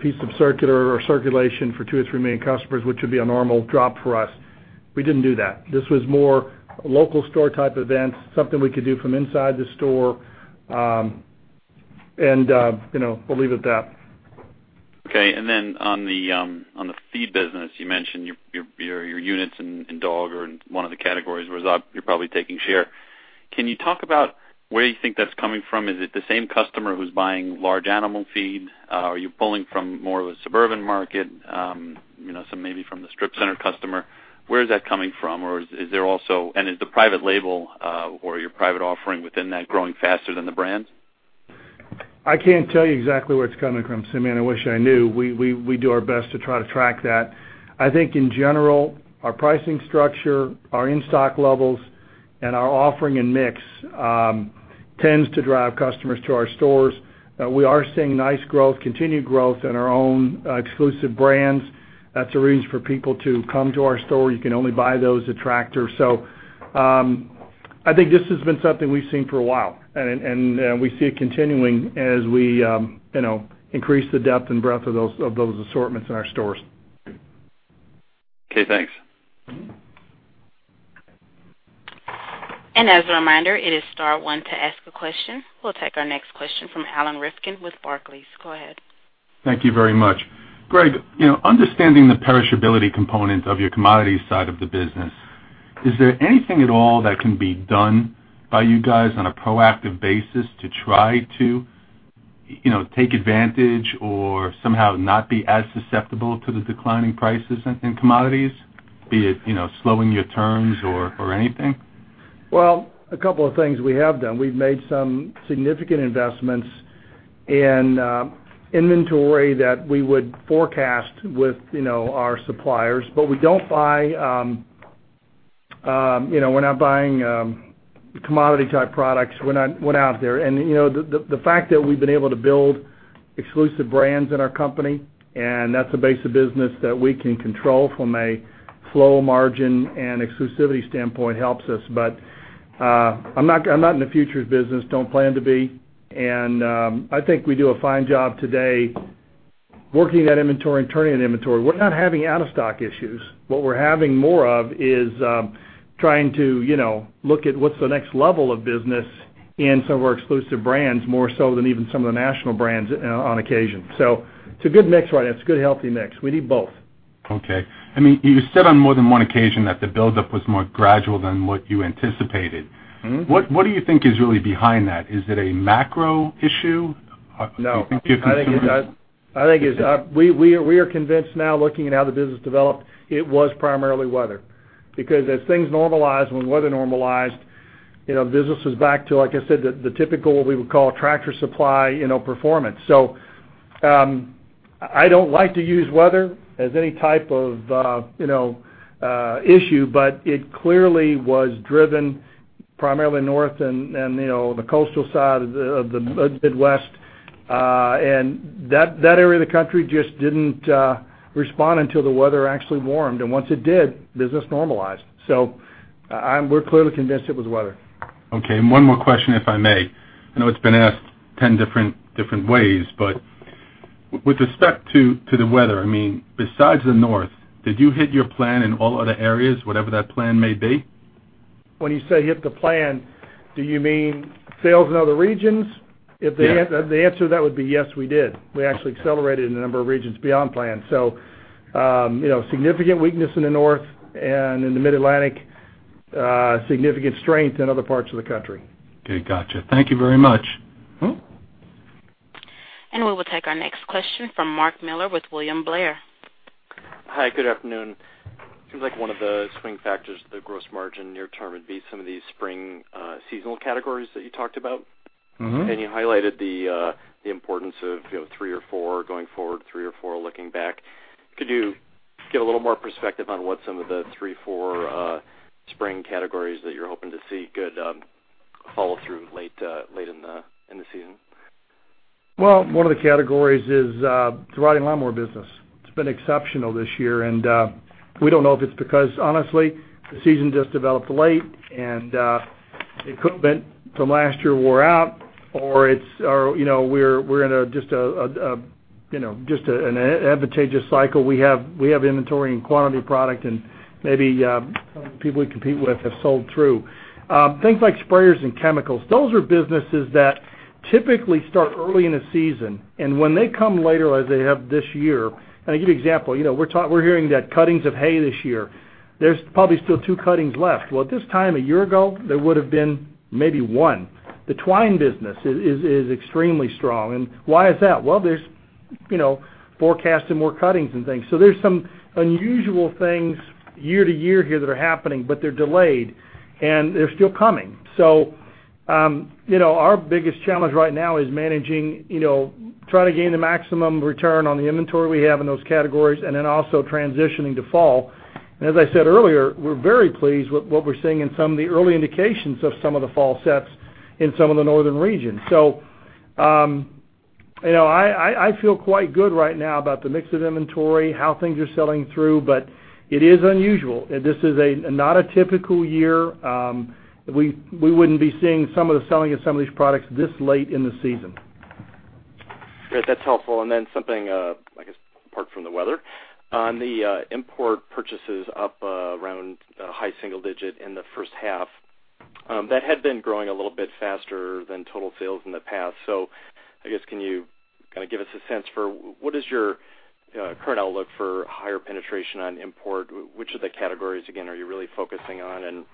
piece of circular or circulation for two or three million customers, which would be a normal drop for us. We didn't do that. This was more local store type events, something we could do from inside the store. We'll leave it at that. Okay. Then on the feed business, you mentioned your units and dog are one of the categories where you're probably taking share. Can you talk about where you think that's coming from? Is it the same customer who's buying large animal feed? Are you pulling from more of a suburban market? Some maybe from the strip center customer. Where is that coming from? Is the private label, or your private offering within that growing faster than the brands? I can't tell you exactly where it's coming from, Simeon. I wish I knew. We do our best to try to track that. I think in general, our pricing structure, our in-stock levels, and our offering and mix tends to drive customers to our stores. We are seeing nice growth, continued growth in our own exclusive brands. That's a reason for people to come to our store. You can only buy those at Tractor. I think this has been something we've seen for a while, and we see it continuing as we increase the depth and breadth of those assortments in our stores. Okay, thanks. As a reminder, it is star one to ask a question. We'll take our next question from Alan Rifkin with Barclays. Go ahead. Thank you very much. Greg, understanding the perishability component of your commodities side of the business, is there anything at all that can be done by you guys on a proactive basis to try to take advantage or somehow not be as susceptible to the declining prices in commodities, be it slowing your terms or anything? A couple of things we have done. We've made some significant investments in inventory that we would forecast with our suppliers, but we're not buying commodity-type products. We're not out there. The fact that we've been able to build exclusive brands in our company, and that's a base of business that we can control from a flow margin and exclusivity standpoint helps us. I'm not in the futures business, don't plan to be. I think we do a fine job today working that inventory and turning that inventory. We're not having out-of-stock issues. What we're having more of is trying to look at what's the next level of business in some of our exclusive brands, more so than even some of the national brands on occasion. It's a good mix right now. It's a good, healthy mix. We need both. Okay. You said on more than one occasion that the buildup was more gradual than what you anticipated. What do you think is really behind that? Is it a macro issue? No. We are convinced now, looking at how the business developed, it was primarily weather. As things normalize, when weather normalized, business is back to, like I said, the typical, what we would call, Tractor Supply performance. I don't like to use weather as any type of issue, but it clearly was driven primarily North and the coastal side of the Midwest. That area of the country just didn't respond until the weather actually warmed. Once it did, business normalized. We're clearly convinced it was weather. Okay. One more question, if I may. I know it's been asked 10 different ways, but with respect to the weather, besides the North, did you hit your plan in all other areas, whatever that plan may be? When you say hit the plan, do you mean sales in other regions? Yes. The answer to that would be yes, we did. We actually accelerated in a number of regions beyond plan. Significant weakness in the North and in the Mid-Atlantic, significant strength in other parts of the country. Okay, got you. Thank you very much. We will take our next question from Mark Miller with William Blair. Hi, good afternoon. Seems like one of the swing factors to the gross margin near term would be some of the spring seasonal categories that you talked about. You highlighted the importance of three or four going forward, three or four looking back. Could you give a little more perspective on what some of the three, four spring categories that you're hoping to see good follow-through late in the season? Well, one of the categories is the riding lawnmower business. It's been exceptional this year. We don't know if it's because, honestly, the season just developed late and equipment from last year wore out, or we're in just an advantageous cycle. We have inventory and quantity product and maybe some of the people we compete with have sold through. Things like sprayers and chemicals. Those are businesses that typically start early in a season, and when they come later, as they have this year. I'll give you an example. We're hearing that cuttings of hay this year, there's probably still two cuttings left. Well, at this time a year ago, there would've been maybe one. The twine business is extremely strong, and why is that? Well, there's forecasts and more cuttings and things. There's some unusual things year to year here that are happening, but they're delayed, and they're still coming. Our biggest challenge right now is trying to gain the maximum return on the inventory we have in those categories and also transitioning to fall. As I said earlier, we're very pleased with what we're seeing in some of the early indications of some of the fall sets in some of the northern regions. I feel quite good right now about the mix of inventory, how things are selling through, but it is unusual. This is not a typical year. We wouldn't be seeing some of the selling of some of these products this late in the season. Great. That's helpful. Something, I guess apart from the weather. On the import purchases up around high single digit in the first half, that had been growing a little bit faster than total sales in the past. I guess, can you kind of give us a sense for what is your current outlook for higher penetration on import? Which of the categories, again, are you really focusing on, and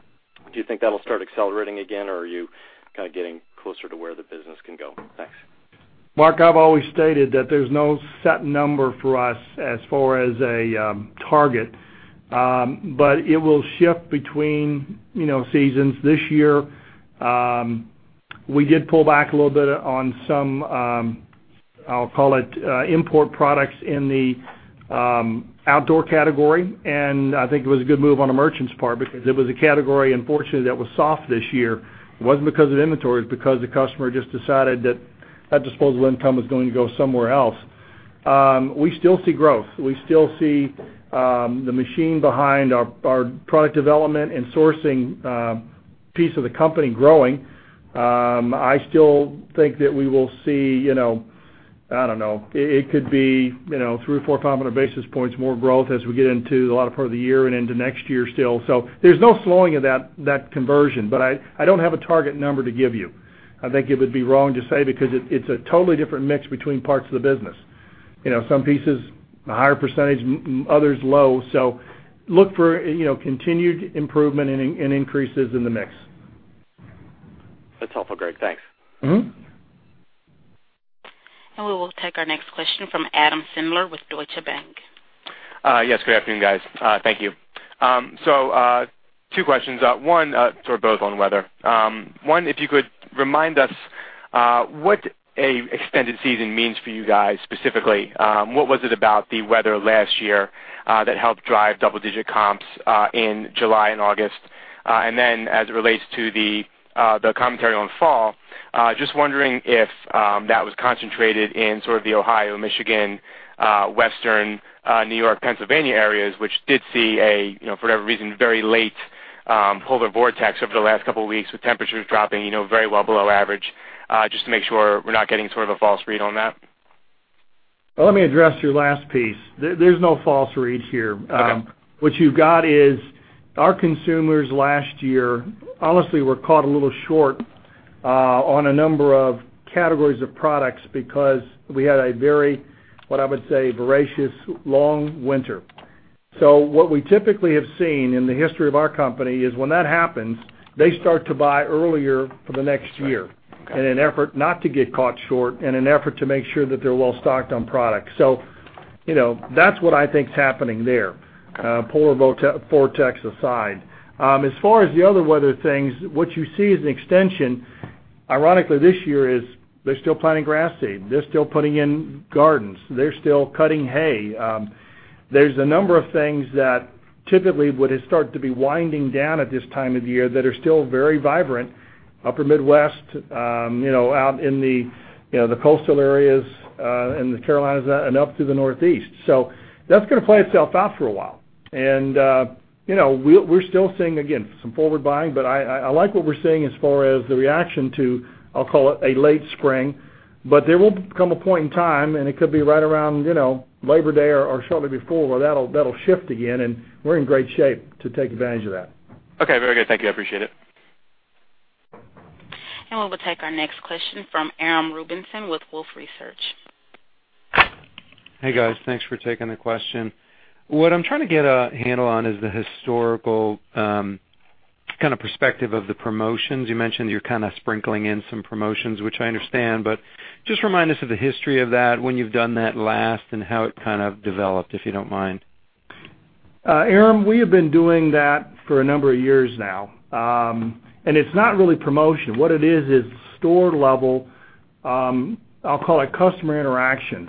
do you think that'll start accelerating again, or are you kind of getting closer to where the business can go? Thanks. Mark, I've always stated that there's no set number for us as far as a target. It will shift between seasons. This year, we did pull back a little bit on some, I'll call it import products in the outdoor category, and I think it was a good move on the merchant's part because it was a category, unfortunately, that was soft this year. It wasn't because of inventory. It was because the customer just decided that that disposable income was going to go somewhere else. We still see growth. We still see the machine behind our product development and sourcing piece of the company growing. I still think that we will see, I don't know, it could be three or four, 500 basis points more growth as we get into the latter part of the year and into next year still. There's no slowing of that conversion, but I don't have a target number to give you. I think it would be wrong to say because it's a totally different mix between parts of the business. Some pieces, a higher percentage, others low. Look for continued improvement and increases in the mix. That's helpful, Greg. Thanks. We will take our next question from Adam Sindler with Deutsche Bank. Yes, good afternoon, guys. Thank you. Two questions. Sort of both on weather. One, if you could remind us what an extended season means for you guys specifically. What was it about the weather last year that helped drive double-digit comps in July and August? Then as it relates to the commentary on fall, just wondering if that was concentrated in sort of the Ohio, Michigan, Western New York, Pennsylvania areas, which did see a, for whatever reason, very late polar vortex over the last couple of weeks with temperatures dropping very well below average. Just to make sure we're not getting sort of a false read on that. Let me address your last piece. There's no false read here. Okay. What you've got is our consumers last year, honestly, were caught a little short on a number of categories of products because we had a very, what I would say, voracious long winter. What we typically have seen in the history of our company is when that happens, they start to buy earlier for the next year. Right. Okay In an effort not to get caught short, in an effort to make sure that they're well-stocked on product. That's what I think is happening there, polar vortex aside. As far as the other weather things, what you see is an extension, ironically this year is they're still planting grass seed. They're still putting in gardens. They're still cutting hay. There's a number of things that typically would start to be winding down at this time of the year that are still very vibrant upper Midwest, out in the coastal areas, in the Carolinas, and up through the Northeast. That's going to play itself out for a while. We're still seeing, again, some forward buying, but I like what we're seeing as far as the reaction to, I'll call it, a late spring. There will become a point in time, and it could be right around Labor Day or shortly before, where that'll shift again, and we're in great shape to take advantage of that. Okay, very good. Thank you. I appreciate it. We will take our next question from Aram Rubinson with Wolfe Research. Hey guys, thanks for taking the question. What I'm trying to get a handle on is the historical kind of perspective of the promotions. You mentioned you're kind of sprinkling in some promotions, which I understand, but just remind us of the history of that, when you've done that last, and how it kind of developed, if you don't mind. Aram, we have been doing that for a number of years now. It's not really promotion. What it is store-level, I'll call it customer interactions.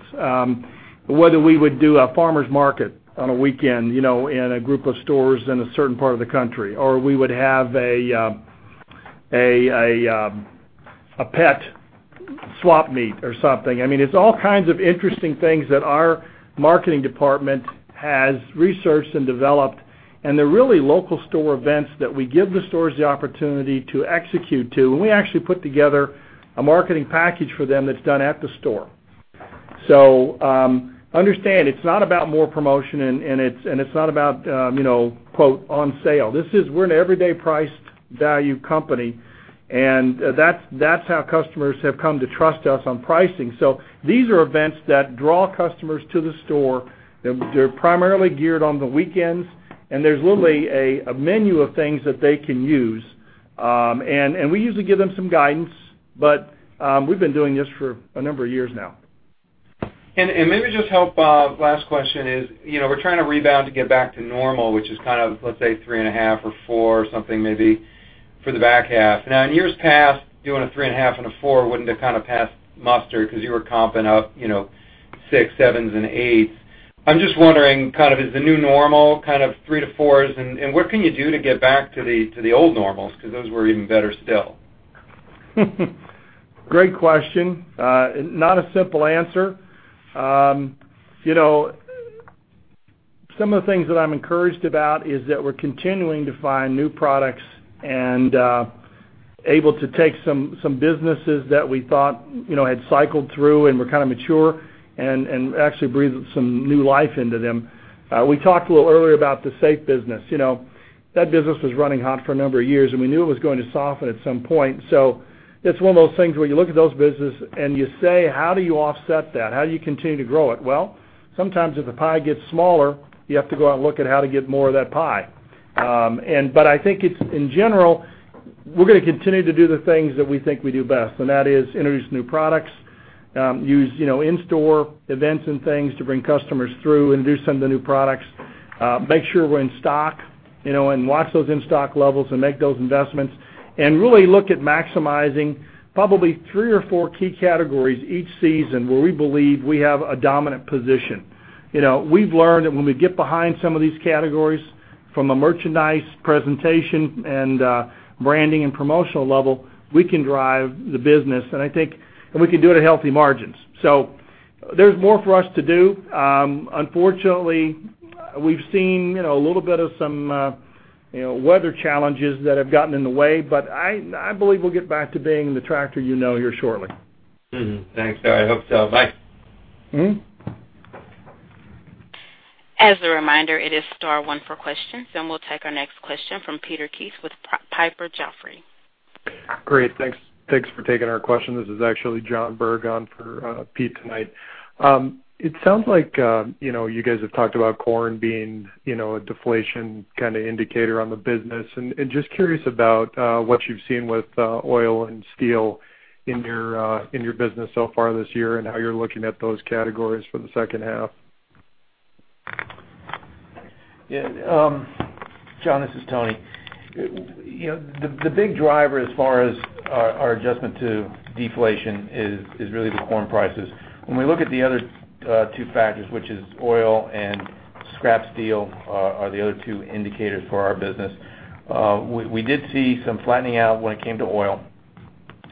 Whether we would do a farmers market on a weekend, in a group of stores in a certain part of the country, or we would have a pet swap meet or something. It's all kinds of interesting things that our marketing department has researched and developed, and they're really local store events that we give the stores the opportunity to execute to. We actually put together a marketing package for them that's done at the store. Understand, it's not about more promotion and it's not about, quote, "on sale". We're an everyday price value company, and that's how customers have come to trust us on pricing. These are events that draw customers to the store. They're primarily geared on the weekends, and there's literally a menu of things that they can use. We usually give them some guidance, but we've been doing this for a number of years now. Maybe just help, last question is, we're trying to rebound to get back to normal, which is kind of, let's say three and a half or four or something maybe for the back half. Now, in years past, doing a three and a half and a four wouldn't have kind of passed mustard because you were comping up six, sevens, and eights. I'm just wondering, is the new normal three to fours? What can you do to get back to the old normals, because those were even better still? Great question. Not a simple answer. Some of the things that I'm encouraged about is that we're continuing to find new products and able to take some businesses that we thought had cycled through and were kind of mature and actually breathe some new life into them. We talked a little earlier about the safe business. That business was running hot for a number of years, and we knew it was going to soften at some point. It's one of those things where you look at those business and you say, "How do you offset that? How do you continue to grow it?" Well, sometimes if the pie gets smaller, you have to go out and look at how to get more of that pie. In general, we're going to continue to do the things that we think we do best, and that is introduce new products, use in-store events and things to bring customers through, introduce some of the new products, make sure we're in stock, and watch those in-stock levels and make those investments. Really look at maximizing probably three or four key categories each season where we believe we have a dominant position. We've learned that when we get behind some of these categories from a merchandise presentation and branding and promotional level, we can drive the business. We can do it at healthy margins. There's more for us to do. Unfortunately, we've seen a little bit of some weather challenges that have gotten in the way, I believe we'll get back to being the Tractor you know here shortly. Thanks, Tony. I hope so. Bye. As a reminder, it is star one for questions, and we'll take our next question from Peter Keith with Piper Jaffray. Great. Thanks for taking our question. This is actually John Berg on for Pete tonight. It sounds like you guys have talked about corn being a deflation kind of indicator on the business. Just curious about what you've seen with oil and steel in your business so far this year and how you're looking at those categories for the second half. John, this is Tony. The big driver as far as our adjustment to deflation is really the corn prices. When we look at the other two factors, which is oil and scrap steel, are the other two indicators for our business. We did see some flattening out when it came to oil.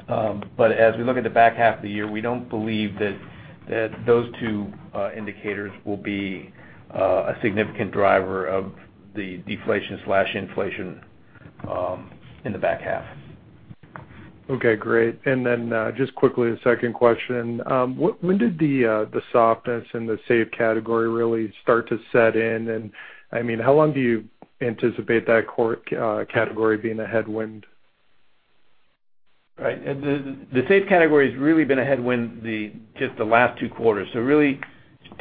As we look at the back half of the year, we don't believe that those two indicators will be a significant driver of the deflation/inflation in the back half. Okay, great. Just quickly, the second question. When did the softness in the safe category really start to set in? How long do you anticipate that category being a headwind? Right. The safe category has really been a headwind just the last two quarters. Really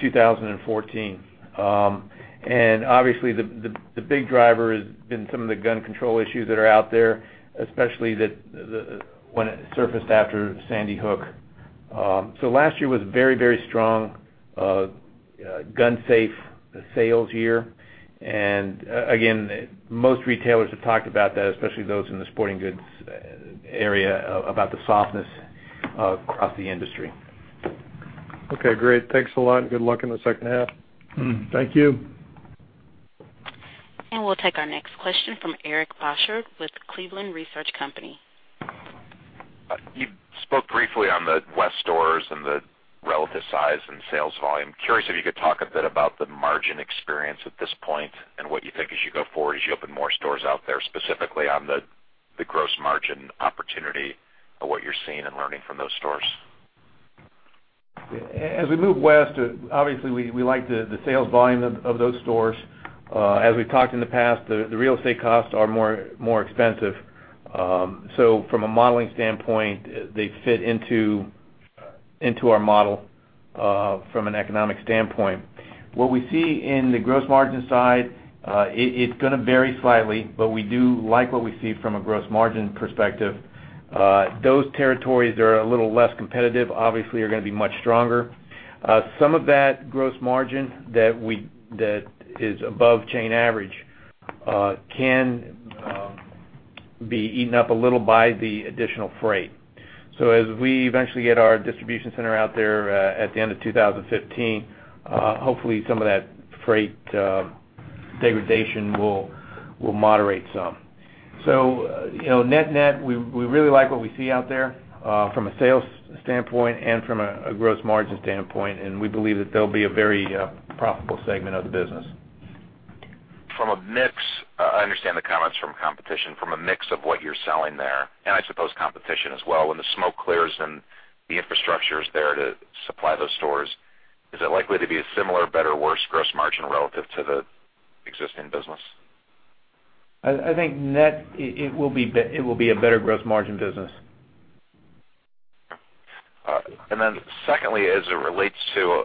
2014. Obviously the big driver has been some of the gun control issues that are out there, especially when it surfaced after Sandy Hook. Last year was very strong gun safe sales year. Again, most retailers have talked about that, especially those in the sporting goods area, about the softness across the industry. Okay, great. Thanks a lot, good luck in the second half. Thank you. We'll take our next question from Eric Bosshard with Cleveland Research Company. You spoke briefly on the West stores and the relative size and sales volume. Curious if you could talk a bit about the margin experience at this point and what you think as you go forward as you open more stores out there, specifically on the gross margin opportunity of what you're seeing and learning from those stores. As we move West, obviously we like the sales volume of those stores. As we've talked in the past, the real estate costs are more expensive. From a modeling standpoint, they fit into our model from an economic standpoint. What we see in the gross margin side, it's going to vary slightly, but we do like what we see from a gross margin perspective. Those territories that are a little less competitive, obviously are going to be much stronger. Some of that gross margin that is above chain average can be eaten up a little by the additional freight. As we eventually get our distribution center out there at the end of 2015, hopefully some of that freight degradation will moderate some. Net-net, we really like what we see out there from a sales standpoint and from a gross margin standpoint, and we believe that they'll be a very profitable segment of the business. From a mix, I understand the comments from competition, from a mix of what you're selling there, and I suppose competition as well, when the smoke clears and the infrastructure is there to supply those stores, is it likely to be a similar, better, worse gross margin relative to the existing business? I think net, it will be a better gross margin business. Secondly, as it relates to,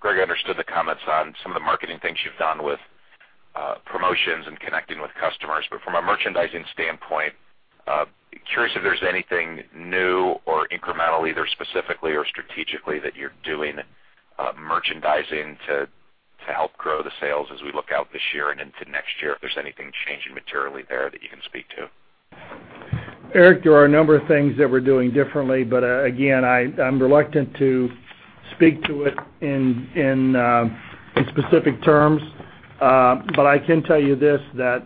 Greg, I understood the comments on some of the marketing things you've done with promotions and connecting with customers. But from a merchandising standpoint, curious if there's anything new or incremental, either specifically or strategically, that you're doing merchandising to help grow the sales as we look out this year and into next year, if there's anything changing materially there that you can speak to. Eric, again, I'm reluctant to speak to it in specific terms. I can tell you this, that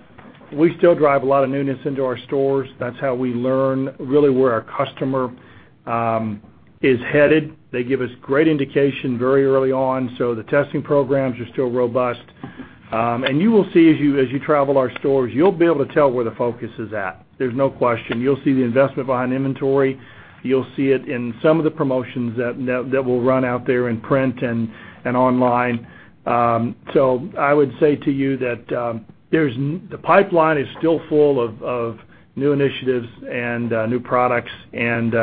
we still drive a lot of newness into our stores. That's how we learn really where our customer is headed. They give us great indication very early on, so the testing programs are still robust. You will see as you travel our stores, you'll be able to tell where the focus is at. There's no question. You'll see the investment behind inventory. You'll see it in some of the promotions that will run out there in print and online. I would say to you that the pipeline is still full of new initiatives and new products, and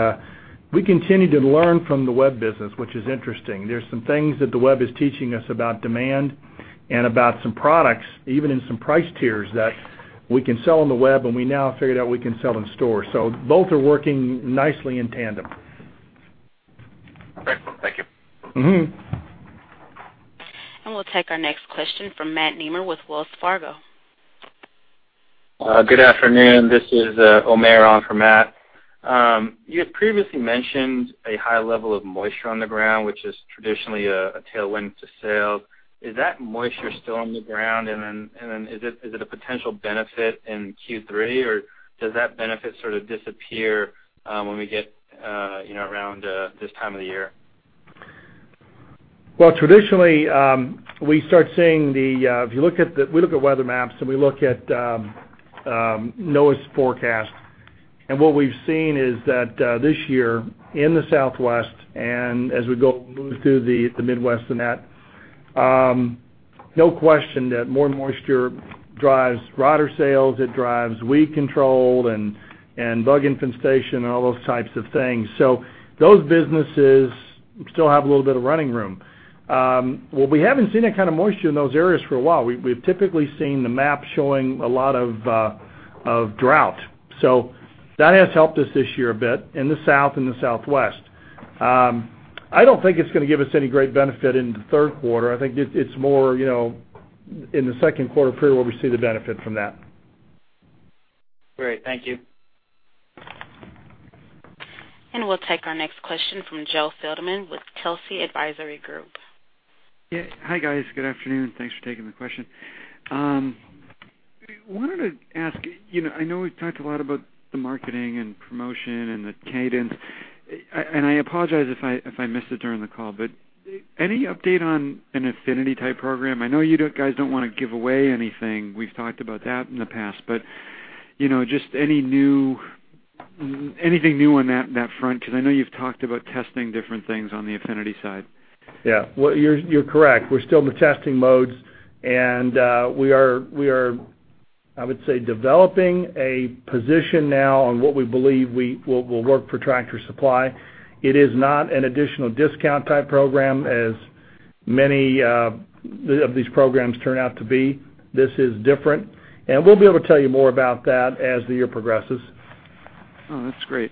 we continue to learn from the web business, which is interesting. There's some things that the web is teaching us about demand and about some products, even in some price tiers, that we can sell on the web, and we now have figured out we can sell in store. Both are working nicely in tandem. Great. Thank you. We'll take our next question from Matt Nemer with Wells Fargo. Good afternoon. This is Omer on for Matt. You had previously mentioned a high level of moisture on the ground, which is traditionally a tailwind to sales. Is that moisture still on the ground? Is it a potential benefit in Q3, or does that benefit sort of disappear when we get around this time of the year? Traditionally, we look at weather maps, and we look at NOAA's forecast. What we've seen is that this year, in the Southwest, as we move through the Midwest and that, no question that more moisture drives roto-tiller sales, it drives weed control and bug infestation and all those types of things. Those businesses still have a little bit of running room. We haven't seen that kind of moisture in those areas for a while. We've typically seen the map showing a lot of drought. That has helped us this year a bit in the South and the Southwest. I don't think it's going to give us any great benefit in the third quarter. I think it's more in the second quarter period where we see the benefit from that. Great. Thank you. We'll take our next question from Joe Feldman with Telsey Advisory Group. Yeah. Hi, guys. Good afternoon. Thanks for taking the question. Wanted to ask, I know we've talked a lot about the marketing and promotion and the cadence. I apologize if I missed it during the call, but any update on an Affinity-type program? I know you guys don't want to give away anything. We've talked about that in the past, but just anything new on that front, because I know you've talked about testing different things on the Affinity side. Yeah. Well, you're correct. We're still in the testing modes. We are, I would say, developing a position now on what we believe will work for Tractor Supply. It is not an additional discount-type program, as many of these programs turn out to be. This is different. We'll be able to tell you more about that as the year progresses. Oh, that's great.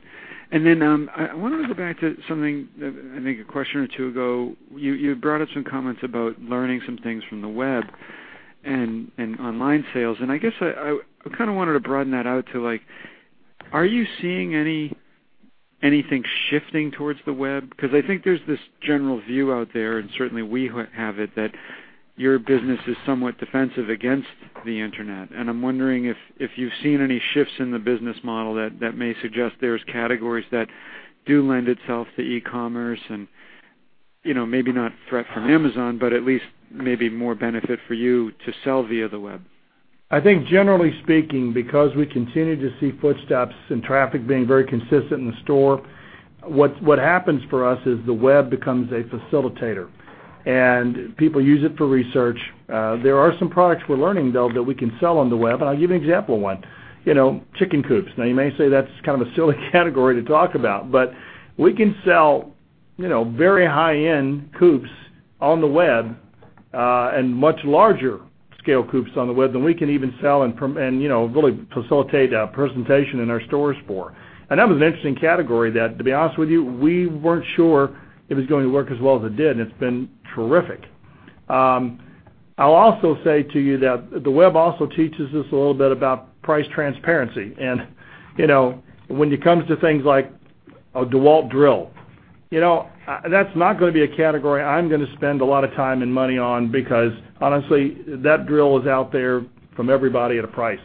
I wanted to go back to something, I think a question or two ago, you brought up some comments about learning some things from the web and online sales. I guess I kind of wanted to broaden that out to, are you seeing anything shifting towards the web? I think there's this general view out there, and certainly we have it, that your business is somewhat defensive against the Internet. I'm wondering if you've seen any shifts in the business model that may suggest there's categories that do lend itself to e-commerce and maybe not threat from Amazon, but at least maybe more benefit for you to sell via the web. I think generally speaking, because we continue to see footsteps and traffic being very consistent in the store. What happens for us is the web becomes a facilitator, and people use it for research. There are some products we're learning, though, that we can sell on the web. I'll give you an example of one. Chicken coops. You may say that's kind of a silly category to talk about, but we can sell very high-end coops on the web, and much larger scale coops on the web than we can even sell and really facilitate a presentation in our stores for. That was an interesting category that, to be honest with you, we weren't sure it was going to work as well as it did, and it's been terrific. I'll also say to you that the web also teaches us a little bit about price transparency. When it comes to things like a DeWalt drill, that's not going to be a category I'm going to spend a lot of time and money on because honestly, that drill is out there from everybody at a price.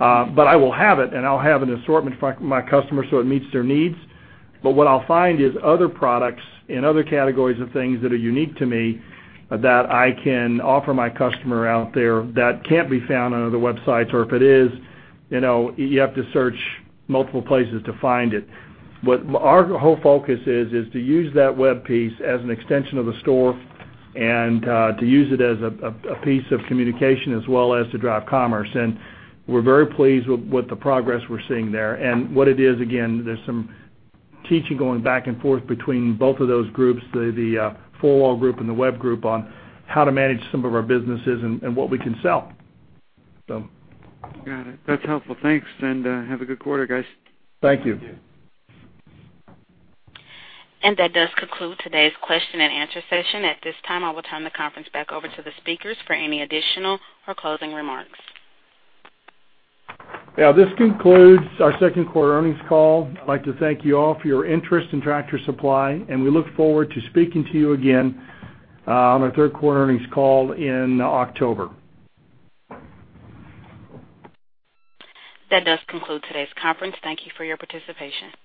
I will have it, and I'll have an assortment for my customers so it meets their needs. What I'll find is other products in other categories of things that are unique to me that I can offer my customer out there that can't be found on other websites, or if it is, you have to search multiple places to find it. What our whole focus is to use that web piece as an extension of the store and to use it as a piece of communication as well as to drive commerce. We're very pleased with the progress we're seeing there. What it is, again, there's some teaching going back and forth between both of those groups, the four wall group and the web group, on how to manage some of our businesses and what we can sell. Got it. That's helpful. Thanks. Have a good quarter, guys. Thank you. That does conclude today's question and answer session. At this time, I will turn the conference back over to the speakers for any additional or closing remarks. Yeah, this concludes our second quarter earnings call. I'd like to thank you all for your interest in Tractor Supply, and we look forward to speaking to you again on our third quarter earnings call in October. That does conclude today's conference. Thank you for your participation.